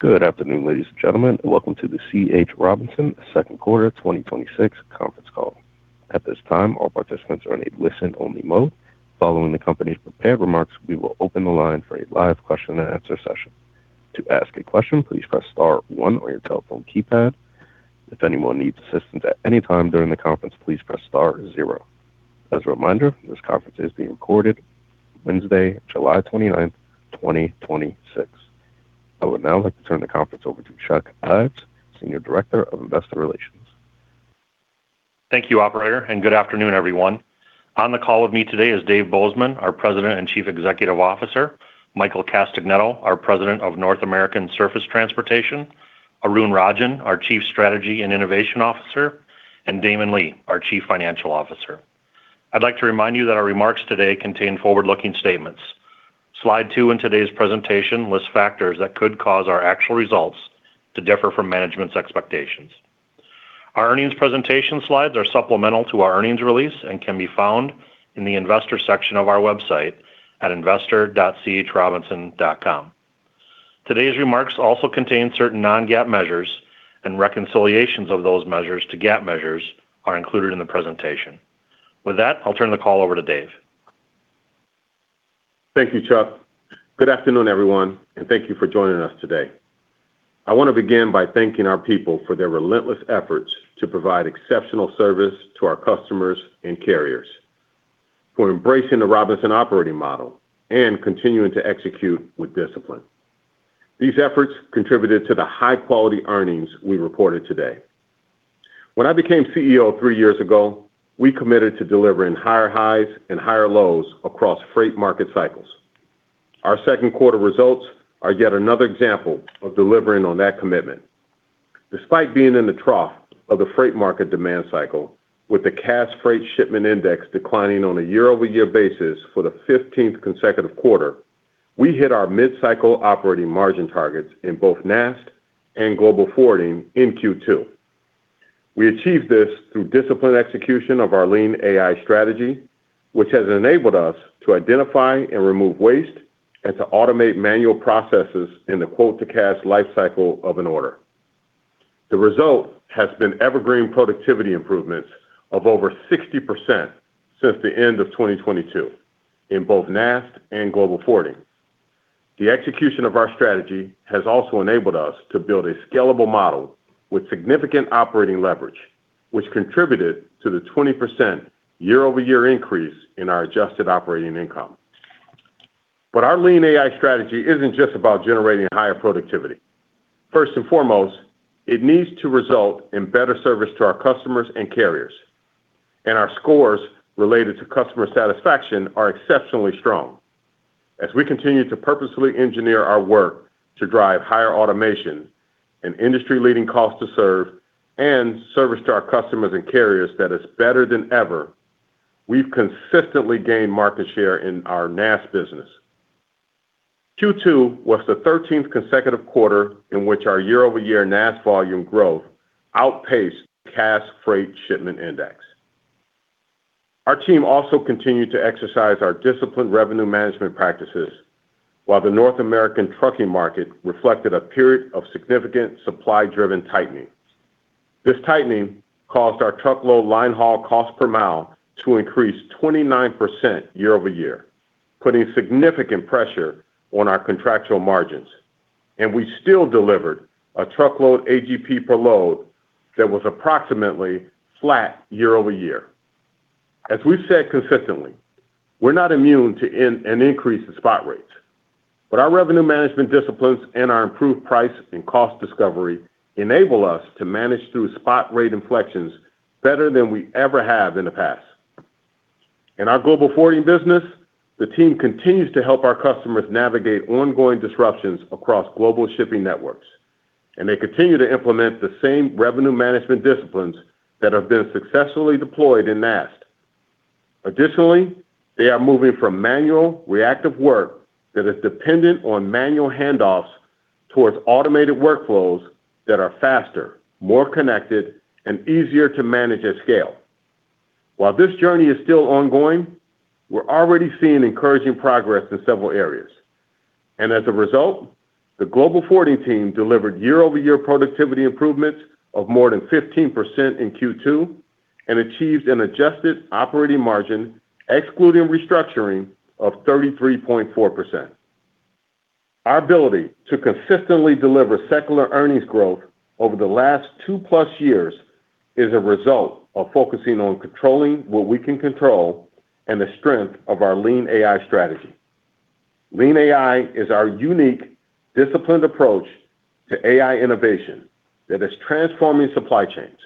Good afternoon, ladies and gentlemen. Welcome to the C.H. Robinson second quarter 2026 conference call. At this time, all participants are in a listen-only mode. Following the company's prepared remarks, we will open the line for a live question-and-answer session. To ask a question, please press star one on your telephone keypad. If anyone needs assistance at any time during the conference, please press star zero. As a reminder, this conference is being recorded Wednesday, July 29, 2026. I would now like to turn the conference over to Chuck Ives, Senior Director of Investor Relations. Thank you, operator. Good afternoon, everyone. On the call with me today is Dave Bozeman, our President and Chief Executive Officer, Michael Castagnetto, our President of North American Surface Transportation, Arun Rajan, our Chief Strategy and Innovation Officer, and Damon Lee, our Chief Financial Officer. I'd like to remind you that our remarks today contain forward-looking statements. Slide two in today's presentation lists factors that could cause our actual results to differ from management's expectations. Our earnings presentation slides are supplemental to our earnings release and can be found in the Investor section of our website at investor.chrobinson.com. Today's remarks also contain certain non-GAAP measures and reconciliations of those measures to GAAP measures are included in the presentation. With that, I'll turn the call over to Dave. Thank you, Chuck. Good afternoon, everyone. Thank you for joining us today. I want to begin by thanking our people for their relentless efforts to provide exceptional service to our customers and carriers, for embracing the Robinson operating model and continuing to execute with discipline. These efforts contributed to the high-quality earnings we reported today. When I became CEO three years ago, we committed to delivering higher highs and higher lows across freight market cycles. Our second quarter results are yet another example of delivering on that commitment. Despite being in the trough of the freight market demand cycle, with the Cass Freight Shipment Index declining on a year-over-year basis for the 15th consecutive quarter, we hit our mid-cycle operating margin targets in both NAST and Global Forwarding in Q2. We achieved this through disciplined execution of our Lean AI strategy, which has enabled us to identify and remove waste and to automate manual processes in the quote-to-cash life cycle of an order. The result has been evergreen productivity improvements of over 60% since the end of 2022 in both NAST and Global Forwarding. The execution of our strategy has also enabled us to build a scalable model with significant operating leverage, which contributed to the 20% year-over-year increase in our adjusted operating income. Our Lean AI strategy isn't just about generating higher productivity. First and foremost, it needs to result in better service to our customers and carriers. Our scores related to customer satisfaction are exceptionally strong. As we continue to purposefully engineer our work to drive higher automation and industry-leading cost to serve and service to our customers and carriers that is better than ever, we've consistently gained market share in our NAST business. Q2 was the 13th consecutive quarter in which our year-over-year NAST volume growth outpaced Cass Freight Shipment Index. Our team also continued to exercise our disciplined revenue management practices while the North American trucking market reflected a period of significant supply-driven tightening. This tightening caused our truckload line haul cost per mile to increase 29% year-over-year, putting significant pressure on our contractual margins. We still delivered a truckload AGP per load that was approximately flat year-over-year. As we've said consistently, we're not immune to an increase in spot rates, but our revenue management disciplines and our improved price and cost discovery enable us to manage through spot rate inflections better than we ever have in the past. In our Global Forwarding business, the team continues to help our customers navigate ongoing disruptions across global shipping networks, and they continue to implement the same revenue management disciplines that have been successfully deployed in NAST. Additionally, they are moving from manual reactive work that is dependent on manual handoffs towards automated workflows that are faster, more connected, and easier to manage at scale. While this journey is still ongoing, we're already seeing encouraging progress in several areas. As a result, the Global Forwarding team delivered year-over-year productivity improvements of more than 15% in Q2 and achieved an adjusted operating margin, excluding restructuring, of 33.4%. Our ability to consistently deliver secular earnings growth over the last two-plus years is a result of focusing on controlling what we can control and the strength of our Lean AI strategy. Lean AI is our unique, disciplined approach to AI innovation that is transforming supply chains.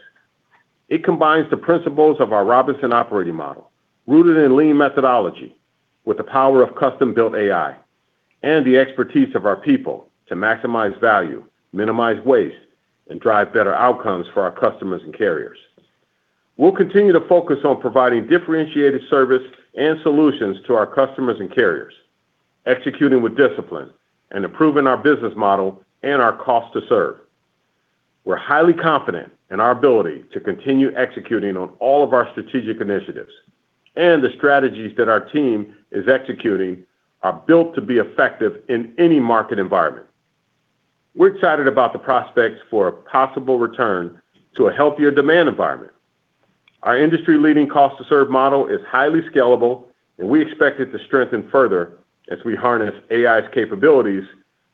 It combines the principles of our Robinson operating model, rooted in lean methodology, with the power of custom-built AI and the expertise of our people to maximize value, minimize waste, and drive better outcomes for our customers and carriers. We'll continue to focus on providing differentiated service and solutions to our customers and carriers, executing with discipline, and improving our business model and our cost to serve. We're highly confident in our ability to continue executing on all of our strategic initiatives. The strategies that our team is executing are built to be effective in any market environment. We're excited about the prospects for a possible return to a healthier demand environment. Our industry-leading cost to serve model is highly scalable, and we expect it to strengthen further as we harness AI's capabilities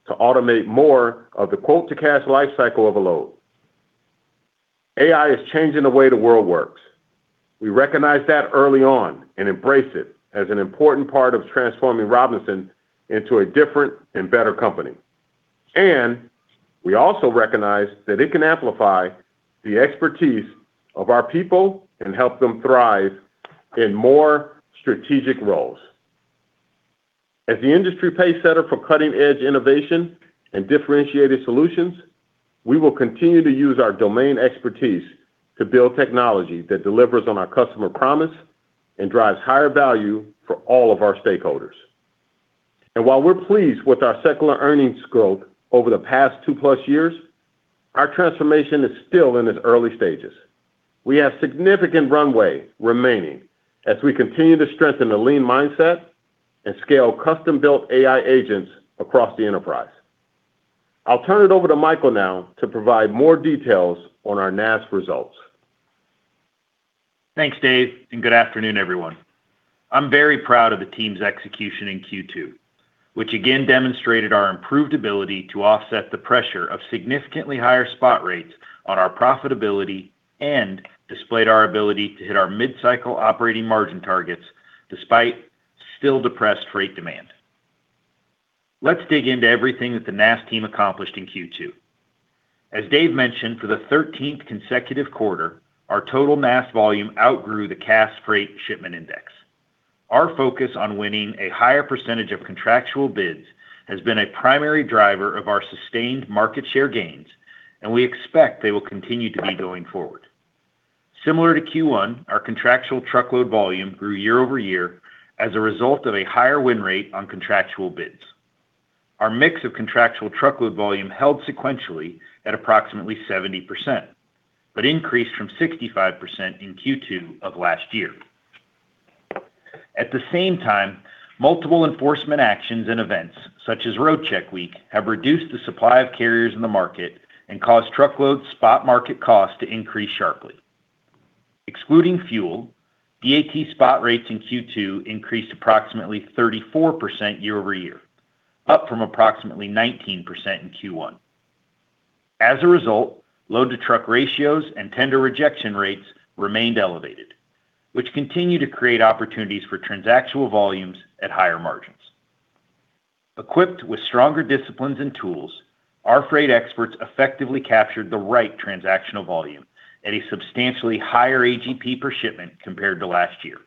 to automate more of the quote-to-cash life cycle overload. AI is changing the way the world works. We recognized that early on and embrace it as an important part of transforming Robinson into a different and better company. We also recognize that it can amplify the expertise of our people and help them thrive in more strategic roles. As the industry pacesetter for cutting-edge innovation and differentiated solutions, we will continue to use our domain expertise to build technology that delivers on our customer promise and drives higher value for all of our stakeholders. While we're pleased with our secular earnings growth over the past two-plus years, our transformation is still in its early stages. We have significant runway remaining as we continue to strengthen the lean mindset and scale custom-built AI agents across the enterprise. I'll turn it over to Michael now to provide more details on our NAST results. Thanks, Dave, and good afternoon, everyone. I'm very proud of the team's execution in Q2, which again demonstrated our improved ability to offset the pressure of significantly higher spot rates on our profitability and displayed our ability to hit our mid-cycle operating margin targets despite still-depressed freight demand. Let's dig into everything that the NAST team accomplished in Q2. As Dave mentioned, for the 13th consecutive quarter, our total NAST volume outgrew the Cass Freight Shipment Index. Our focus on winning a higher percentage of contractual bids has been a primary driver of our sustained market share gains, and we expect they will continue to be going forward. Similar to Q1, our contractual truckload volume grew year-over-year as a result of a higher win rate on contractual bids. Our mix of contractual truckload volume held sequentially at approximately 70%, but increased from 65% in Q2 of last year. At the same time, multiple enforcement actions and events, such as Road Check Week, have reduced the supply of carriers in the market and caused truckload spot market cost to increase sharply. Excluding fuel, DAT spot rates in Q2 increased approximately 34% year-over-year, up from approximately 19% in Q1. As a result, load-to-truck ratios and tender rejection rates remained elevated, which continue to create opportunities for transactional volumes at higher margins. Equipped with stronger disciplines and tools, our freight experts effectively captured the right transactional volume at a substantially higher AGP per shipment compared to last year.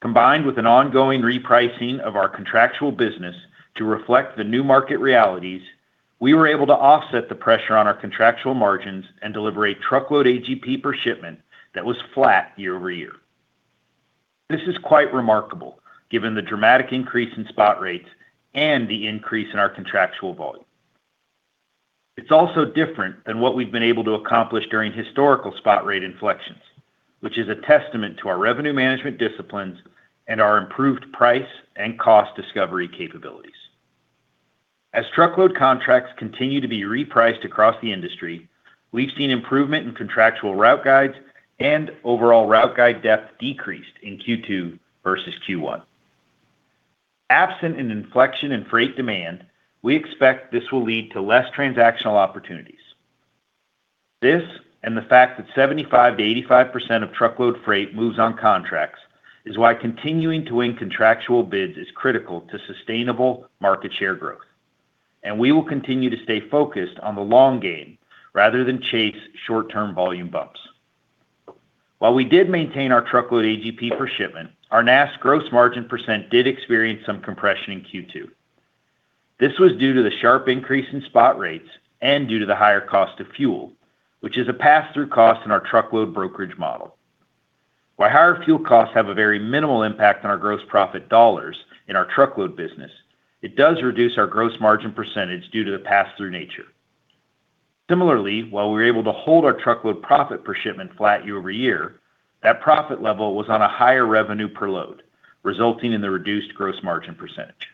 Combined with an ongoing repricing of our contractual business to reflect the new market realities, we were able to offset the pressure on our contractual margins and deliver a truckload AGP per shipment that was flat year-over-year. This is quite remarkable given the dramatic increase in spot rates and the increase in our contractual volume. It's also different than what we've been able to accomplish during historical spot rate inflections, which is a testament to our revenue management disciplines and our improved price and cost discovery capabilities. As truckload contracts continue to be repriced across the industry, we've seen improvement in contractual route guides and overall route guide depth decreased in Q2 versus Q1. Absent an inflection in freight demand, we expect this will lead to less transactional opportunities. This, and the fact that 75%-85% of truckload freight moves on contracts, is why continuing to win contractual bids is critical to sustainable market share growth. We will continue to stay focused on the long game rather than chase short-term volume bumps. While we did maintain our truckload AGP per shipment, our NAST gross margin percentage did experience some compression in Q2. This was due to the sharp increase in spot rates and due to the higher cost of fuel, which is a pass-through cost in our truckload brokerage model. While higher fuel costs have a very minimal impact on our gross profit dollars in our truckload business, it does reduce our gross margin percentage due to the pass-through nature. Similarly, while we were able to hold our truckload profit per shipment flat year-over-year, that profit level was on a higher revenue per load, resulting in the reduced gross margin percentage.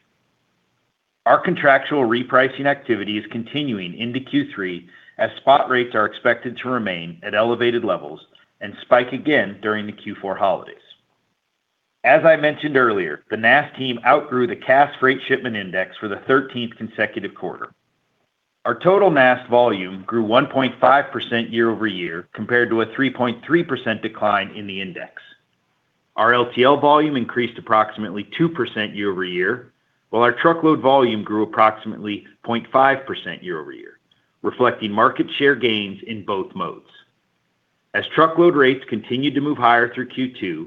Our contractual repricing activity is continuing into Q3 as spot rates are expected to remain at elevated levels and spike again during the Q4 holidays. As I mentioned earlier, the NAST team outgrew the Cass Freight Shipment Index for the 13th consecutive quarter. Our total NAST volume grew 1.5% year-over-year compared to a 3.3% decline in the index. Our LTL volume increased approximately 2% year-over-year, while our truckload volume grew approximately 0.5% year-over-year, reflecting market share gains in both modes. As truckload rates continued to move higher through Q2,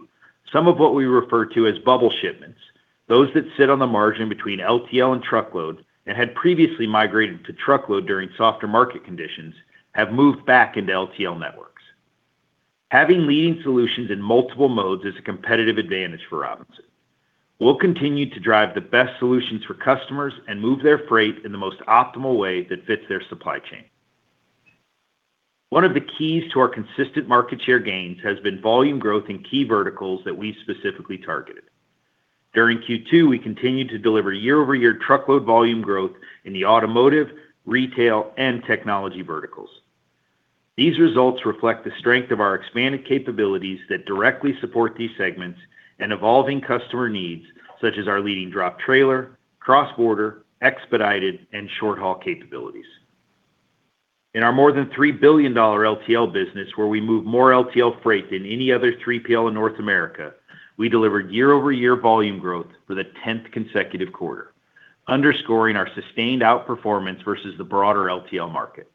some of what we refer to as bubble shipments, those that sit on the margin between LTL and truckload and had previously migrated to truckload during softer market conditions, have moved back into LTL network. Having leading solutions in multiple modes is a competitive advantage for Robinson. We'll continue to drive the best solutions for customers and move their freight in the most optimal way that fits their supply chain. One of the keys to our consistent market share gains has been volume growth in key verticals that we specifically targeted. During Q2, we continued to deliver year-over-year truckload volume growth in the automotive, retail, and technology verticals. These results reflect the strength of our expanded capabilities that directly support these segments and evolving customer needs, such as our leading drop trailer, cross-border, expedited, and short-haul capabilities. In our more than $3 billion LTL business, where we move more LTL freight than any other 3PL in North America, we delivered year-over-year volume growth for the 10th consecutive quarter, underscoring our sustained outperformance versus the broader LTL market.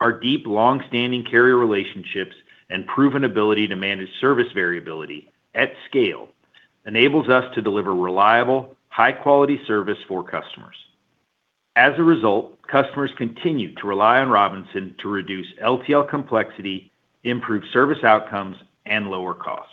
Our deep, longstanding carrier relationships and proven ability to manage service variability at scale enables us to deliver reliable, high-quality service for customers. As a result, customers continue to rely on Robinson to reduce LTL complexity, improve service outcomes, and lower costs.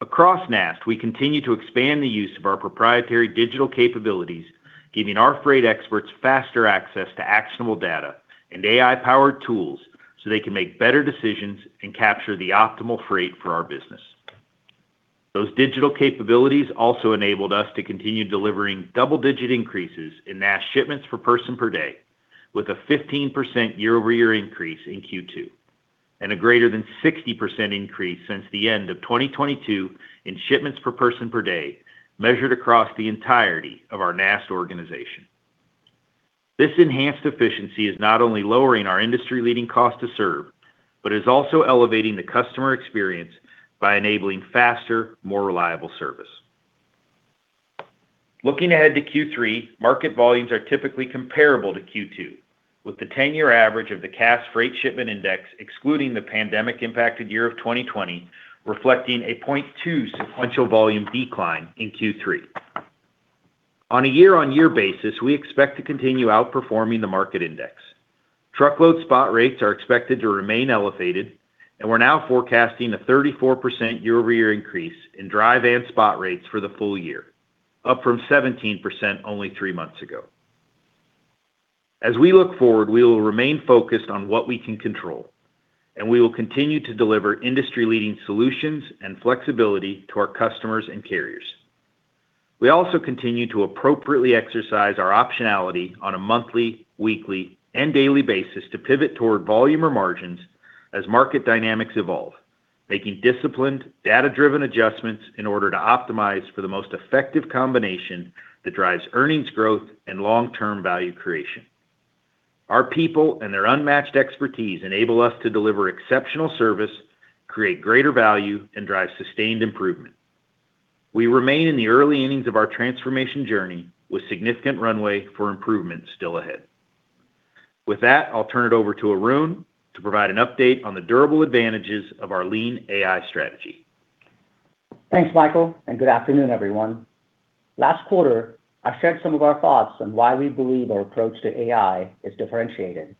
Across NAST, we continue to expand the use of our proprietary digital capabilities, giving our freight experts faster access to actionable data and AI-powered tools so they can make better decisions and capture the optimal freight for our business. Those digital capabilities also enabled us to continue delivering double-digit increases in NAST shipments per person per day with a 15% year-over-year increase in Q2, and a greater than 60% increase since the end of 2022 in shipments per person per day, measured across the entirety of our NAST organization. This enhanced efficiency is not only lowering our industry-leading cost to serve, but is also elevating the customer experience by enabling faster, more reliable service. Looking ahead to Q3, market volumes are typically comparable to Q2, with the 10-year average of the Cass Freight Shipment Index, excluding the pandemic-impacted year of 2020, reflecting a 0.2 sequential volume decline in Q3. On a year-over-year basis, we expect to continue outperforming the market index. Truckload spot rates are expected to remain elevated. We're now forecasting a 34% year-over-year increase in drive and spot rates for the full year, up from 17% only three months ago. As we look forward, we will remain focused on what we can control. We will continue to deliver industry-leading solutions and flexibility to our customers and carriers. We also continue to appropriately exercise our optionality on a monthly, weekly, and daily basis to pivot toward volume or margins as market dynamics evolve, making disciplined, data-driven adjustments in order to optimize for the most effective combination that drives earnings growth and long-term value creation. Our people and their unmatched expertise enable us to deliver exceptional service, create greater value, and drive sustained improvement. We remain in the early innings of our transformation journey, with significant runway for improvement still ahead. With that, I'll turn it over to Arun to provide an update on the durable advantages of our Lean AI strategy. Thanks, Michael. Good afternoon, everyone. Last quarter, I shared some of our thoughts on why we believe our approach to AI is differentiated.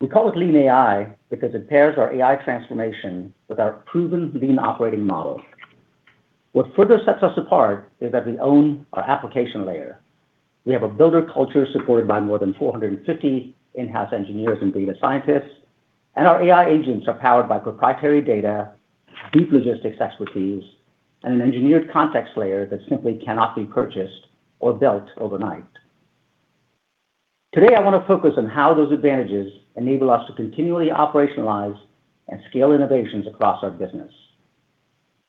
We call it Lean AI because it pairs our AI transformation with our proven lean operating model. What further sets us apart is that we own our application layer. We have a builder culture supported by more than 450 in-house engineers and data scientists. Our AI agents are powered by proprietary data, deep logistics expertise, and an engineered context layer that simply cannot be purchased or built overnight. Today, I want to focus on how those advantages enable us to continually operationalize and scale innovations across our business.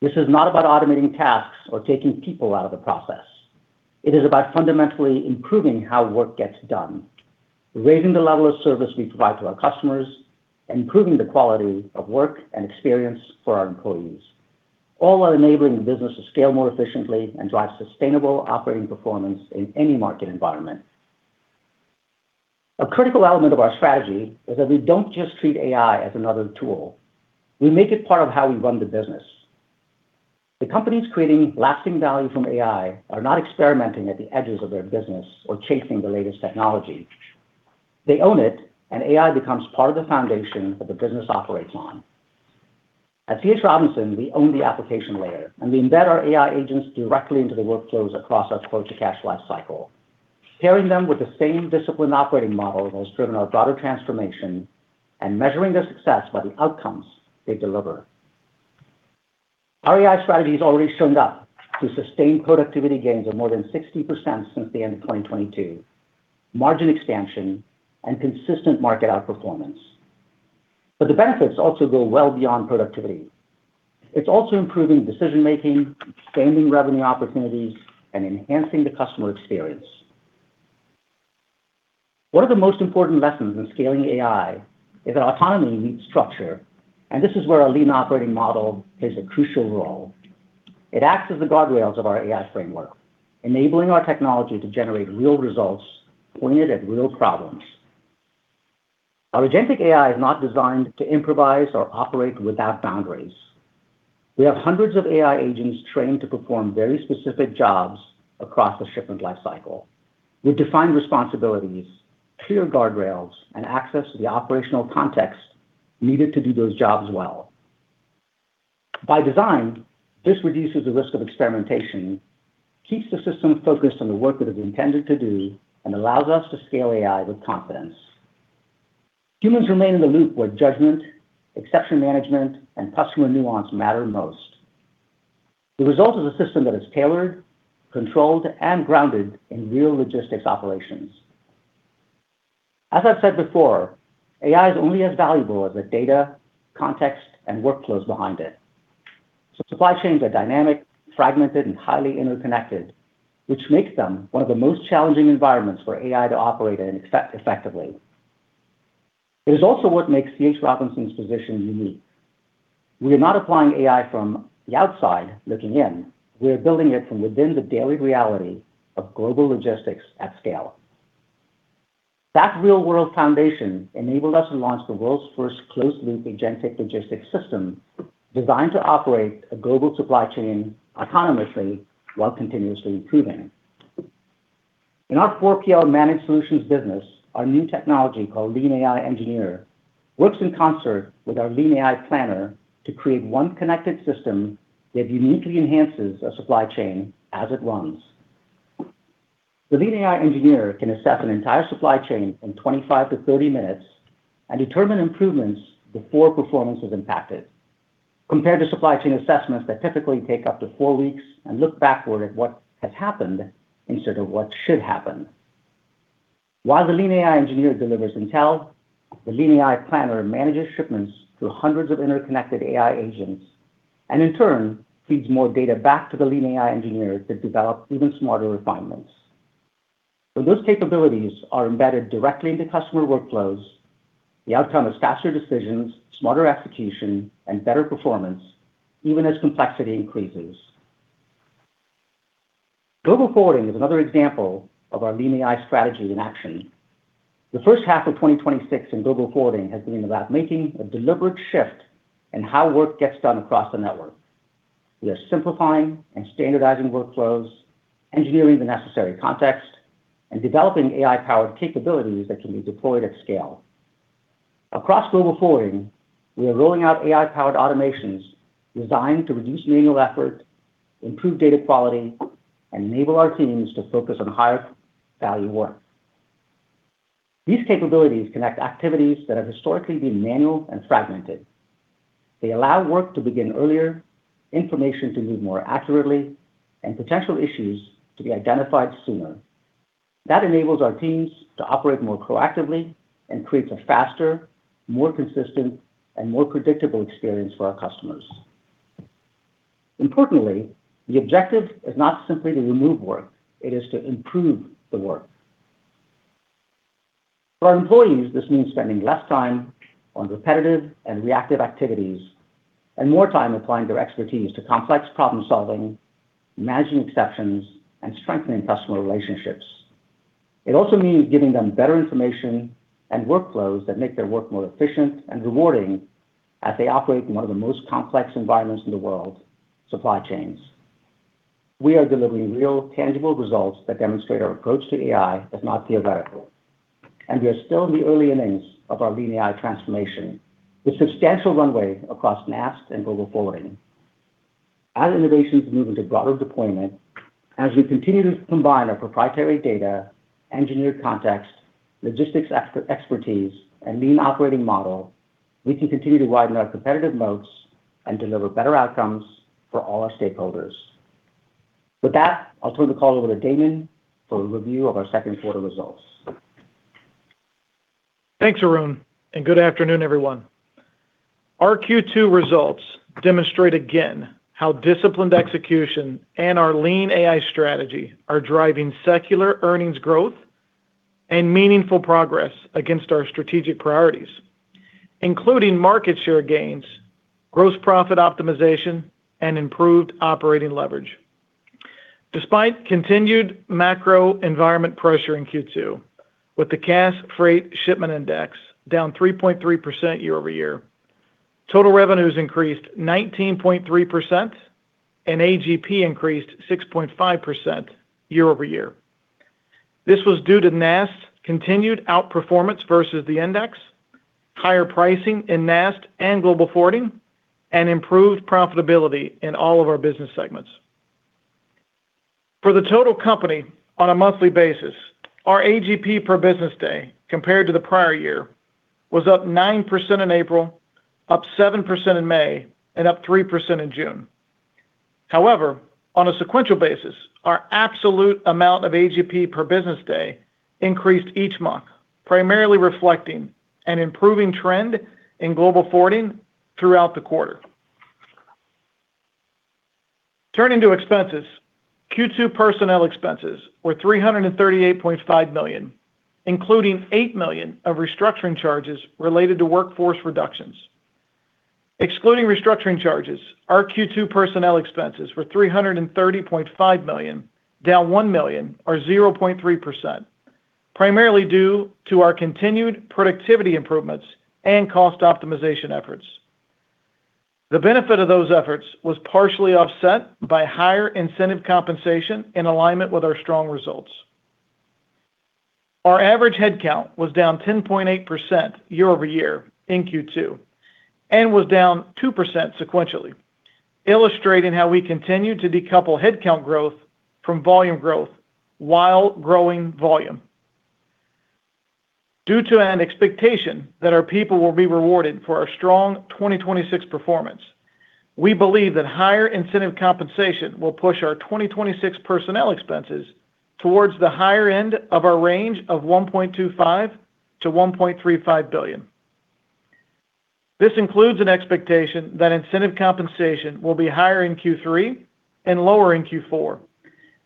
This is not about automating tasks or taking people out of the process. It is about fundamentally improving how work gets done, raising the level of service we provide to our customers, and improving the quality of work and experience for our employees, all while enabling the business to scale more efficiently and drive sustainable operating performance in any market environment. A critical element of our strategy is that we don't just treat AI as another tool. We make it part of how we run the business. The companies creating lasting value from AI are not experimenting at the edges of their business or chasing the latest technology. They own it. AI becomes part of the foundation that the business operates on. At C. H. Robinson, we own the application layer. We embed our AI agents directly into the workflows across our quote-to-cash life cycle, pairing them with the same disciplined operating model that has driven our broader transformation and measuring their success by the outcomes they deliver. Our AI strategy has already shown up to sustain productivity gains of more than 60% since the end of 2022, margin expansion, and consistent market outperformance. The benefits also go well beyond productivity. It's also improving decision-making, expanding revenue opportunities, and enhancing the customer experience. One of the most important lessons in scaling AI is that autonomy needs structure, and this is where our lean operating model plays a crucial role. It acts as the guardrails of our AI framework, enabling our technology to generate real results pointed at real problems. Our agentic AI is not designed to improvise or operate without boundaries. We have hundreds of AI agents trained to perform very specific jobs across the shipment life cycle with defined responsibilities, clear guardrails, and access to the operational context needed to do those jobs well. By design, this reduces the risk of experimentation, keeps the system focused on the work that it is intended to do, and allows us to scale AI with confidence. Humans remain in the loop where judgment, exception management, and customer nuance matter most. The result is a system that is tailored, controlled, and grounded in real logistics operations. As I've said before, AI is only as valuable as the data, context, and workflows behind it. Supply chains are dynamic, fragmented, and highly interconnected, which makes them one of the most challenging environments for AI to operate in effectively. It is also what makes C. H. Robinson's position unique. We are not applying AI from the outside looking in. We are building it from within the daily reality of global logistics at scale. That real-world foundation enabled us to launch the world's first closed-loop agentic logistics system designed to operate a global supply chain autonomously while continuously improving. In our 4PL Managed Solutions business, our new technology, called Lean AI Engineer, works in concert with our Lean AI Planner to create one connected system that uniquely enhances a supply chain as it runs. The Lean AI Engineer can assess an entire supply chain in 25-30 minutes and determine improvements before performance is impacted, compared to supply chain assessments that typically take up to four weeks and look backward at what has happened instead of what should happen. While the Lean AI Engineer delivers intel, the Lean AI Planner manages shipments through hundreds of interconnected AI agents and, in turn, feeds more data back to the Lean AI Engineer to develop even smarter refinements. When those capabilities are embedded directly into customer workflows, the outcome is faster decisions, smarter execution, and better performance, even as complexity increases. Global Forwarding is another example of our Lean AI strategy in action. The first half of 2026 in Global Forwarding has been about making a deliberate shift in how work gets done across the network. We are simplifying and standardizing workflows, engineering the necessary context, and developing AI-powered capabilities that can be deployed at scale. Across Global Forwarding, we are rolling out AI-powered automations designed to reduce manual effort, improve data quality, and enable our teams to focus on higher-value work. These capabilities connect activities that have historically been manual and fragmented. They allow work to begin earlier, information to move more accurately, and potential issues to be identified sooner. That enables our teams to operate more proactively and creates a faster, more consistent, and more predictable experience for our customers. Importantly, the objective is not simply to remove work. It is to improve the work. For our employees, this means spending less time on repetitive and reactive activities and more time applying their expertise to complex problem-solving, managing exceptions, and strengthening customer relationships. It also means giving them better information and workflows that make their work more efficient and rewarding as they operate in one of the most complex environments in the world, supply chains. We are delivering real, tangible results that demonstrate our approach to AI is not theoretical. We are still in the early innings of our Lean AI transformation, with substantial runway across NAST and Global Forwarding. As innovations move into broader deployment, as we continue to combine our proprietary data, engineered context, logistics expertise, and lean operating model, we can continue to widen our competitive moats and deliver better outcomes for all our stakeholders. With that, I'll turn the call over to Damon for a review of our second quarter results. Thanks, Arun, good afternoon, everyone. Our Q2 results demonstrate again how disciplined execution and our Lean AI strategy are driving secular earnings growth and meaningful progress against our strategic priorities, including market share gains, gross profit optimization, and improved operating leverage. Despite continued macro environment pressure in Q2, with the Cass Freight Shipment Index down 3.3% year-over-year, total revenues increased 19.3% AGP increased 6.5% year-over-year. This was due to NAST's continued outperformance versus the index, higher pricing in NAST and Global Forwarding, and improved profitability in all of our business segments. For the total company on a monthly basis, our AGP per business day compared to the prior year was up 9% in April, up 7% in May, and up 3% in June. On a sequential basis, our absolute amount of AGP per business day increased each month, primarily reflecting an improving trend in Global Forwarding throughout the quarter. Turning to expenses, Q2 personnel expenses were $338.5 million, including $8 million of restructuring charges related to workforce reductions. Excluding restructuring charges, our Q2 personnel expenses were $330.5 million, down $1 million or 0.3%. Primarily due to our continued productivity improvements and cost optimization efforts. The benefit of those efforts was partially offset by higher incentive compensation in alignment with our strong results. Our average head count was down 10.8% year-over-year in Q2, was down 2% sequentially, illustrating how we continue to decouple head count growth from volume growth while growing volume. Due to an expectation that our people will be rewarded for our strong 2026 performance, we believe that higher incentive compensation will push our 2026 personnel expenses towards the higher end of our range of $1.25 billion-$1.35 billion. This includes an expectation that incentive compensation will be higher in Q3 and lower in Q4,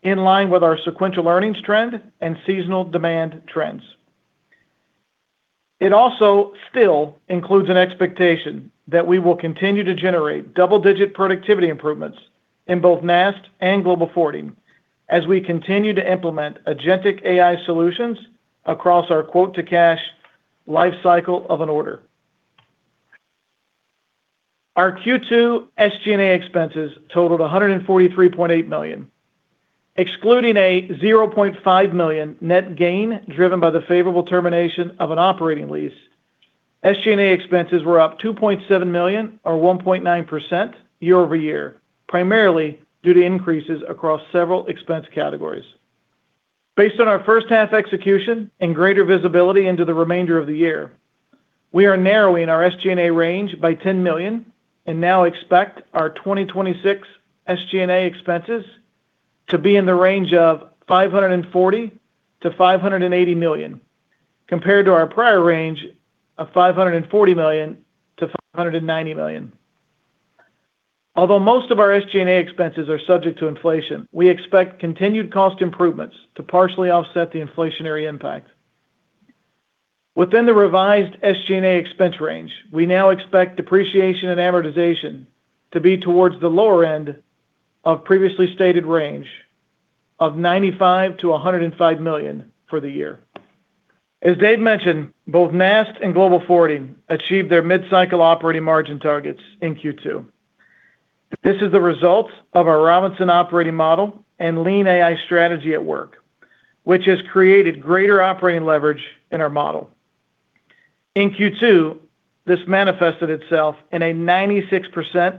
in line with our sequential earnings trend and seasonal demand trends. It also still includes an expectation that we will continue to generate double-digit productivity improvements in both NAST and Global Forwarding as we continue to implement agentic AI solutions across our quote-to-cash life cycle of an order. Our Q2 SG&A expenses totaled $143.8 million. Excluding a $0.5 million net gain driven by the favorable termination of an operating lease, SG&A expenses were up $2.7 million or 1.9% year-over-year, primarily due to increases across several expense categories. Based on our first half execution and greater visibility into the remainder of the year, we are narrowing our SG&A range by $10 million and now expect our 2026 SG&A expenses to be in the range of $540 million-$580 million, compared to our prior range of $540 million-$590 million. Although most of our SG&A expenses are subject to inflation, we expect continued cost improvements to partially offset the inflationary impact. Within the revised SG&A expense range, we now expect depreciation and amortization to be towards the lower end of previously stated range of $95 million-$105 million for the year. As Dave mentioned, both NAST and Global Forwarding achieved their mid-cycle operating margin targets in Q2. This is the result of our Robinson operating model and Lean AI strategy at work, which has created greater operating leverage in our model. In Q2, this manifested itself in a 96%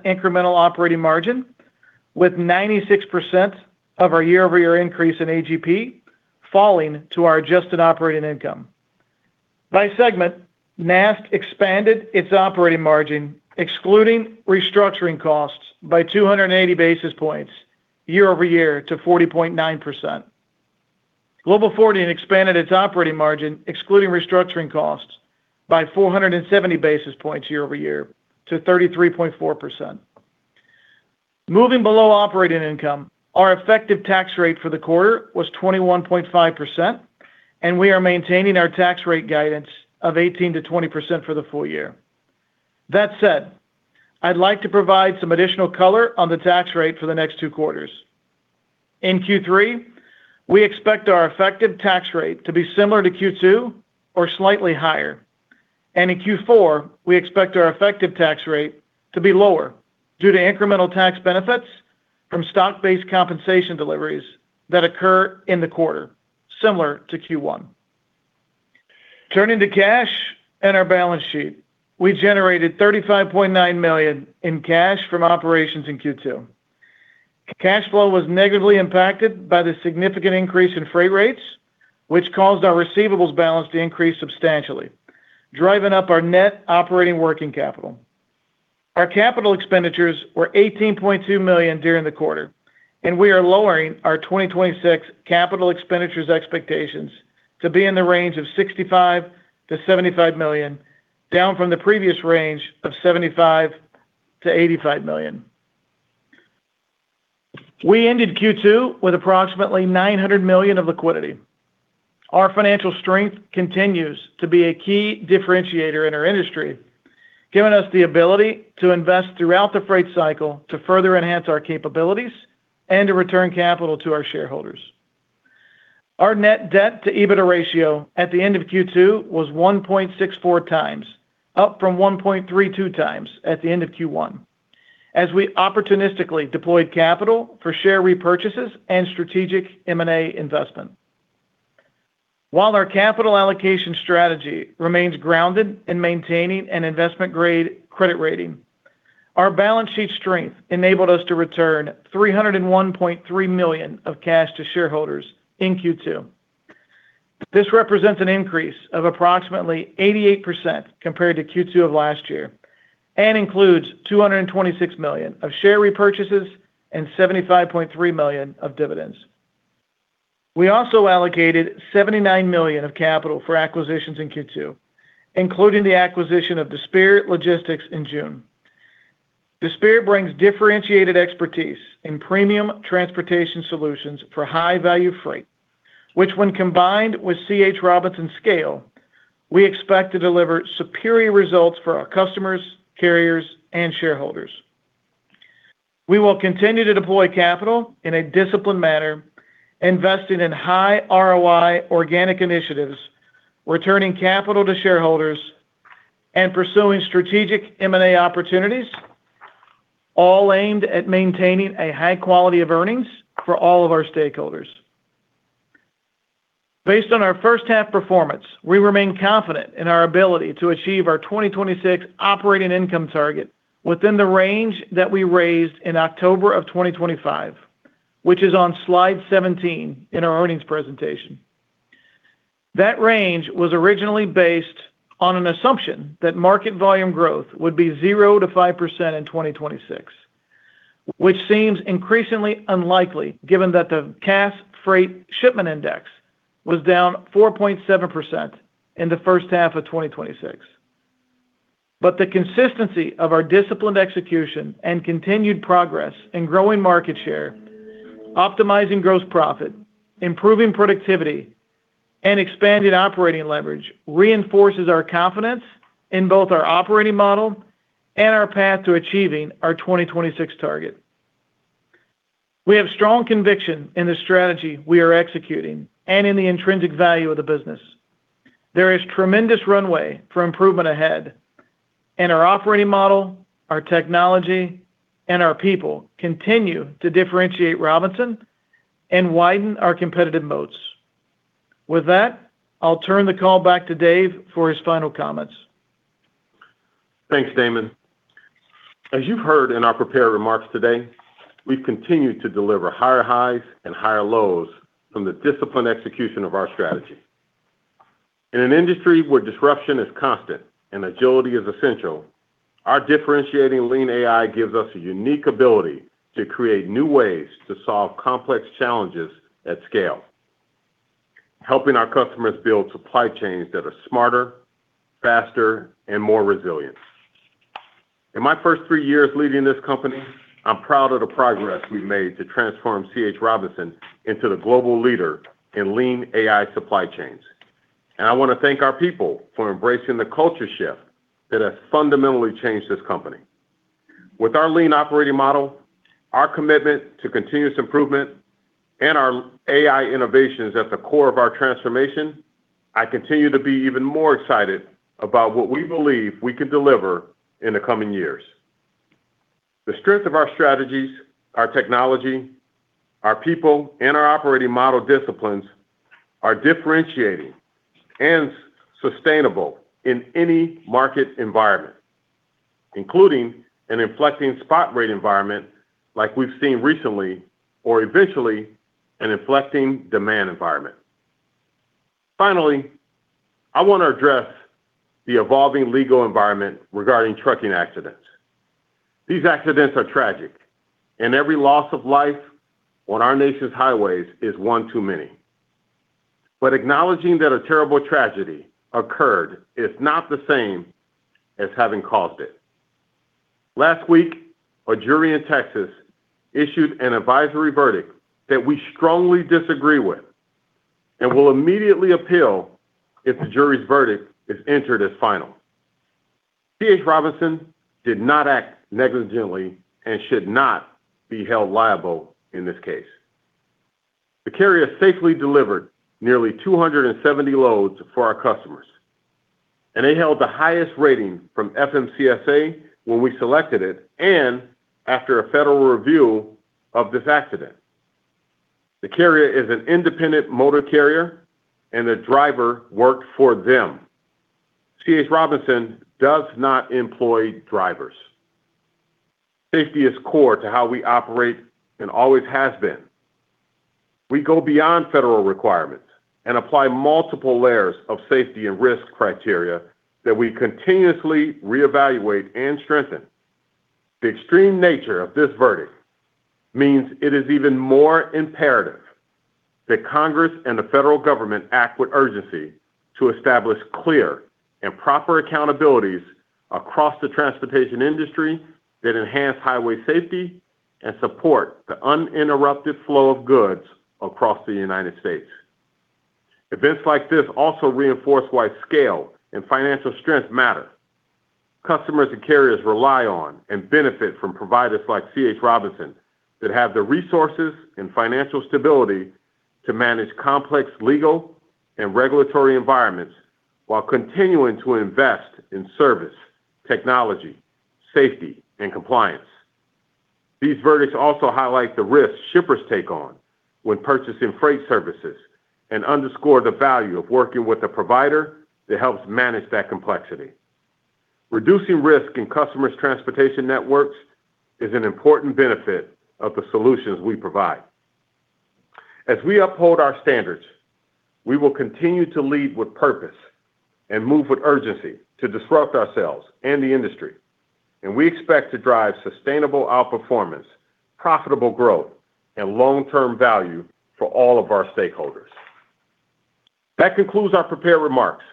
incremental operating margin with 96% of our year-over-year increase in AGP falling to our adjusted operating income. By segment, NAST expanded its operating margin, excluding restructuring costs, by 280 basis points year-over-year to 40.9%. Global Forwarding expanded its operating margin, excluding restructuring costs, by 470 basis points year-over-year to 33.4%. Moving below operating income, our effective tax rate for the quarter was 21.5%, and we are maintaining our tax rate guidance of 18%-20% for the full year. That said, I'd like to provide some additional color on the tax rate for the next two quarters. In Q3, we expect our effective tax rate to be similar to Q2 or slightly higher, and in Q4, we expect our effective tax rate to be lower due to incremental tax benefits from stock-based compensation deliveries that occur in the quarter, similar to Q1. Turning to cash and our balance sheet, we generated $35.9 million in cash from operations in Q2. Cash flow was negatively impacted by the significant increase in freight rates, which caused our receivables balance to increase substantially, driving up our net operating working capital. Our capital expenditures were $18.2 million during the quarter, and we are lowering our 2026 capital expenditures expectations to be in the range of $65 million-$75 million, down from the previous range of $75 million-$85 million. We ended Q2 with approximately $900 million of liquidity. Our financial strength continues to be a key differentiator in our industry, giving us the ability to invest throughout the freight cycle to further enhance our capabilities and to return capital to our shareholders. Our net debt to EBITDA ratio at the end of Q2 was 1.64x, up from 1.32x at the end of Q1 as we opportunistically deployed capital for share repurchases and strategic M&A investment. While our capital allocation strategy remains grounded in maintaining an investment-grade credit rating, our balance sheet strength enabled us to return $301.3 million of cash to shareholders in Q2. This represents an increase of approximately 88% compared to Q2 of last year and includes $226 million of share repurchases and $75.3 million of dividends. We also allocated $79 million of capital for acquisitions in Q2, including the acquisition of DeSpir Logistics in June. DeSpir brings differentiated expertise in premium transportation solutions for high-value freight, which when combined with C. H. Robinson scale, we expect to deliver superior results for our customers, carriers, and shareholders. We will continue to deploy capital in a disciplined manner, investing in high ROI organic initiatives, returning capital to shareholders, and pursuing strategic M&A opportunities, all aimed at maintaining a high quality of earnings for all of our stakeholders. Based on our first half performance, we remain confident in our ability to achieve our 2026 operating income target within the range that we raised in October of 2025, which is on slide 17 in our earnings presentation. That range was originally based on an assumption that market volume growth would be 0%-5% in 2026, which seems increasingly unlikely given that the Cass Freight Shipment Index was down 4.7% in the first half of 2026. The consistency of our disciplined execution and continued progress in growing market share, optimizing gross profit, improving productivity, and expanded operating leverage reinforces our confidence in both our operating model and our path to achieving our 2026 target. We have strong conviction in the strategy we are executing and in the intrinsic value of the business. There is tremendous runway for improvement ahead, and our operating model, our technology, and our people continue to differentiate Robinson and widen our competitive moats. With that, I'll turn the call back to Dave for his final comments. Thanks, Damon. As you've heard in our prepared remarks today, we've continued to deliver higher highs and higher lows from the disciplined execution of our strategy. In an industry where disruption is constant and agility is essential, our differentiating Lean AI gives us a unique ability to create new ways to solve complex challenges at scale, helping our customers build supply chains that are smarter, faster, and more resilient. In my first three years leading this company, I'm proud of the progress we've made to transform C. H. Robinson into the global leader in Lean AI supply chains. I want to thank our people for embracing the culture shift that has fundamentally changed this company. With our lean operating model, our commitment to continuous improvement, and our AI innovations at the core of our transformation, I continue to be even more excited about what we believe we can deliver in the coming years. The strength of our strategies, our technology, our people, and our operating model disciplines are differentiating and sustainable in any market environment, including an inflecting spot rate environment like we've seen recently, or eventually, an inflecting demand environment. Finally, I want to address the evolving legal environment regarding trucking accidents. These accidents are tragic, and every loss of life on our nation's highways is one too many. Acknowledging that a terrible tragedy occurred is not the same as having caused it. Last week, a jury in Texas issued an advisory verdict that we strongly disagree with and will immediately appeal if the jury's verdict is entered as final. C. H. Robinson did not act negligently and should not be held liable in this case. The carrier safely delivered nearly 270 loads for our customers, and it held the highest rating from FMCSA when we selected it and after a federal review of this accident. The carrier is an independent motor carrier, and the driver worked for them. C. H. Robinson does not employ drivers. Safety is core to how we operate and always has been. We go beyond federal requirements and apply multiple layers of safety and risk criteria that we continuously reevaluate and strengthen. The extreme nature of this verdict means it is even more imperative that Congress and the federal government act with urgency to establish clear and proper accountabilities across the transportation industry that enhance highway safety and support the uninterrupted flow of goods across the United States. Events like this also reinforce why scale and financial strength matter. Customers and carriers rely on and benefit from providers like C. H. Robinson that have the resources and financial stability to manage complex legal and regulatory environments while continuing to invest in service, technology, safety, and compliance. These verdicts also highlight the risks shippers take on when purchasing freight services and underscore the value of working with a provider that helps manage that complexity. Reducing risk in customers' transportation networks is an important benefit of the solutions we provide. As we uphold our standards, we will continue to lead with purpose and move with urgency to disrupt ourselves and the industry, and we expect to drive sustainable outperformance, profitable growth, and long-term value for all of our stakeholders. That concludes our prepared remarks.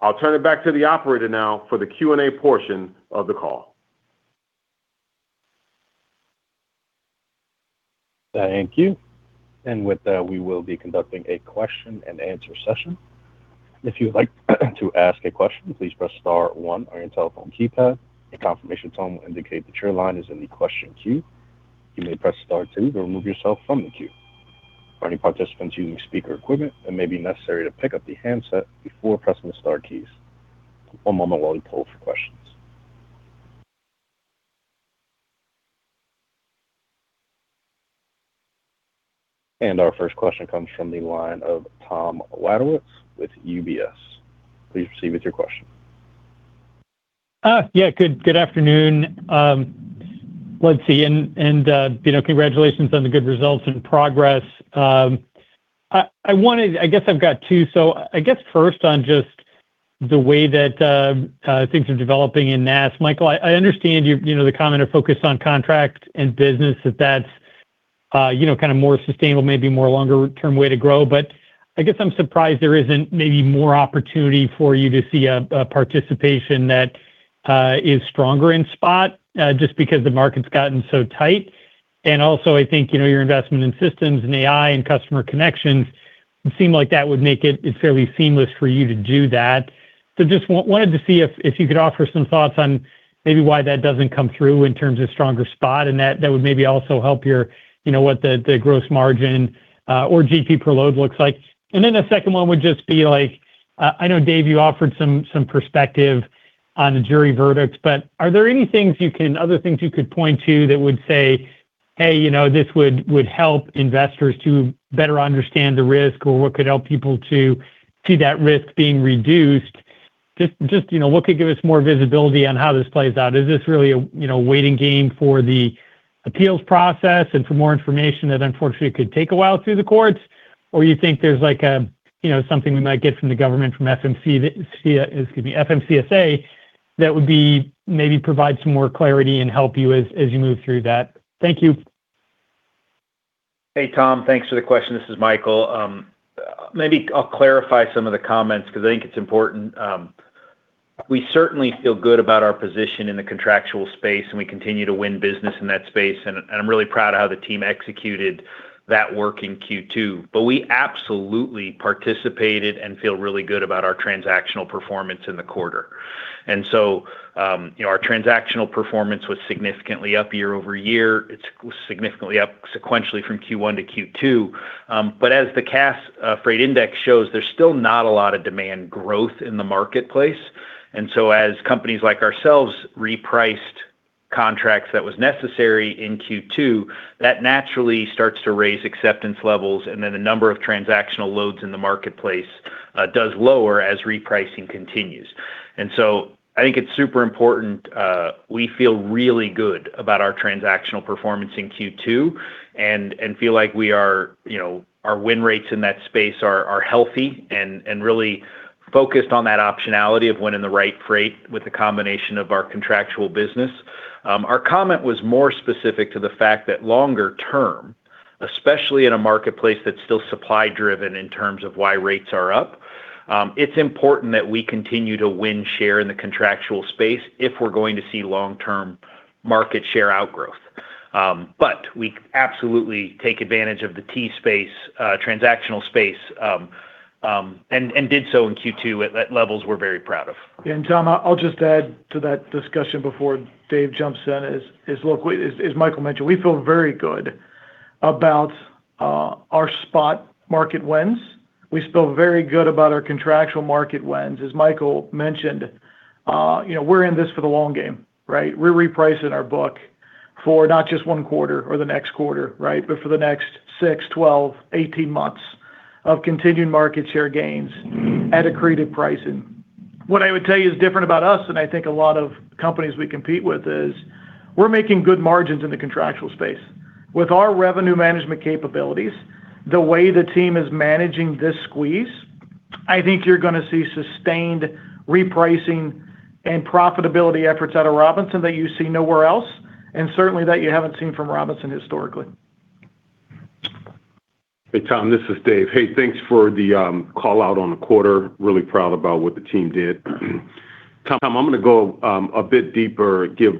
I'll turn it back to the operator now for the Q&A portion of the call. Thank you. With that, we will be conducting a question-and-answer session. If you would like to ask a question, please press star one on your telephone keypad. A confirmation tone will indicate that your line is in the question queue. You may press star two to remove yourself from the queue. For any participants using speaker equipment, it may be necessary to pick up the handset before pressing the star keys. One moment while we poll for questions. Our first question comes from the line of Tom Wadewitz with UBS. Please proceed with your question. Yeah. Good afternoon. Let's see. Congratulations on the good results and progress. I guess I've got two. I guess first on just the way that things are developing in NAST. Michael, I understand the comment of focus on contract and business, that that's kind of more sustainable, maybe more longer-term way to grow. I guess I'm surprised there isn't maybe more opportunity for you to see a participation that is stronger in spot, just because the market's gotten so tight. I think, your investment in systems and AI and customer connections, it seemed like that would make it fairly seamless for you to do that. Just wanted to see if you could offer some thoughts on maybe why that doesn't come through in terms of stronger spot, and that would maybe also help what the gross margin or GP per load looks like. The second one would just be, I know, Dave, you offered some perspective on the jury verdicts, but are there other things you could point to that would say, "Hey, this would help investors to better understand the risk," or what could help people to see that risk being reduced? Just what could give us more visibility on how this plays out? Is this really a waiting game for the appeals process and for more information that unfortunately could take a while through the courts? You think there's something we might get from the government, from FMCSA that would maybe provide some more clarity and help you as you move through that? Thank you. Hey, Tom. Thanks for the question. This is Michael. Maybe I'll clarify some of the comments because I think it's important. We certainly feel good about our position in the contractual space, and we continue to win business in that space. I'm really proud of how the team executed that work in Q2. We absolutely participated and feel really good about our transactional performance in the quarter. Our transactional performance was significantly up year-over-year. It's significantly up sequentially from Q1 to Q2. As the Cass Freight Shipment Index shows, there's still not a lot of demand growth in the marketplace. As companies like ourselves repriced contracts that was necessary in Q2, that naturally starts to raise acceptance levels, then the number of transactional loads in the marketplace does lower as repricing continues. I think it's super important. We feel really good about our transactional performance in Q2 and feel like our win rates in that space are healthy and really focused on that optionality of winning the right freight with a combination of our contractual business. Our comment was more specific to the fact that longer-term, especially in a marketplace that's still supply driven in terms of why rates are up, it's important that we continue to win share in the contractual space if we're going to see long-term market share outgrowth. We absolutely take advantage of the T space, transactional space, and did so in Q2 at levels we're very proud of. Tom, I'll just add to that discussion before Dave jumps in is, look, as Michael mentioned, we feel very good about our spot market wins. We feel very good about our contractual market wins. As Michael mentioned, we're in this for the long game, right? We're repricing our book for not just one quarter or the next quarter, right? For the next six, 12, 18 months of continued market share gains at accreted pricing. What I would tell you is different about us, and I think a lot of companies we compete with is we're making good margins in the contractual space. With our revenue management capabilities, the way the team is managing this squeeze, I think you're going to see sustained repricing and profitability efforts out of Robinson that you see nowhere else, and certainly that you haven't seen from Robinson historically. Hey, Tom, this is Dave. Hey, thanks for the call out on the quarter. Really proud about what the team did. Tom, I'm going to go a bit deeper, give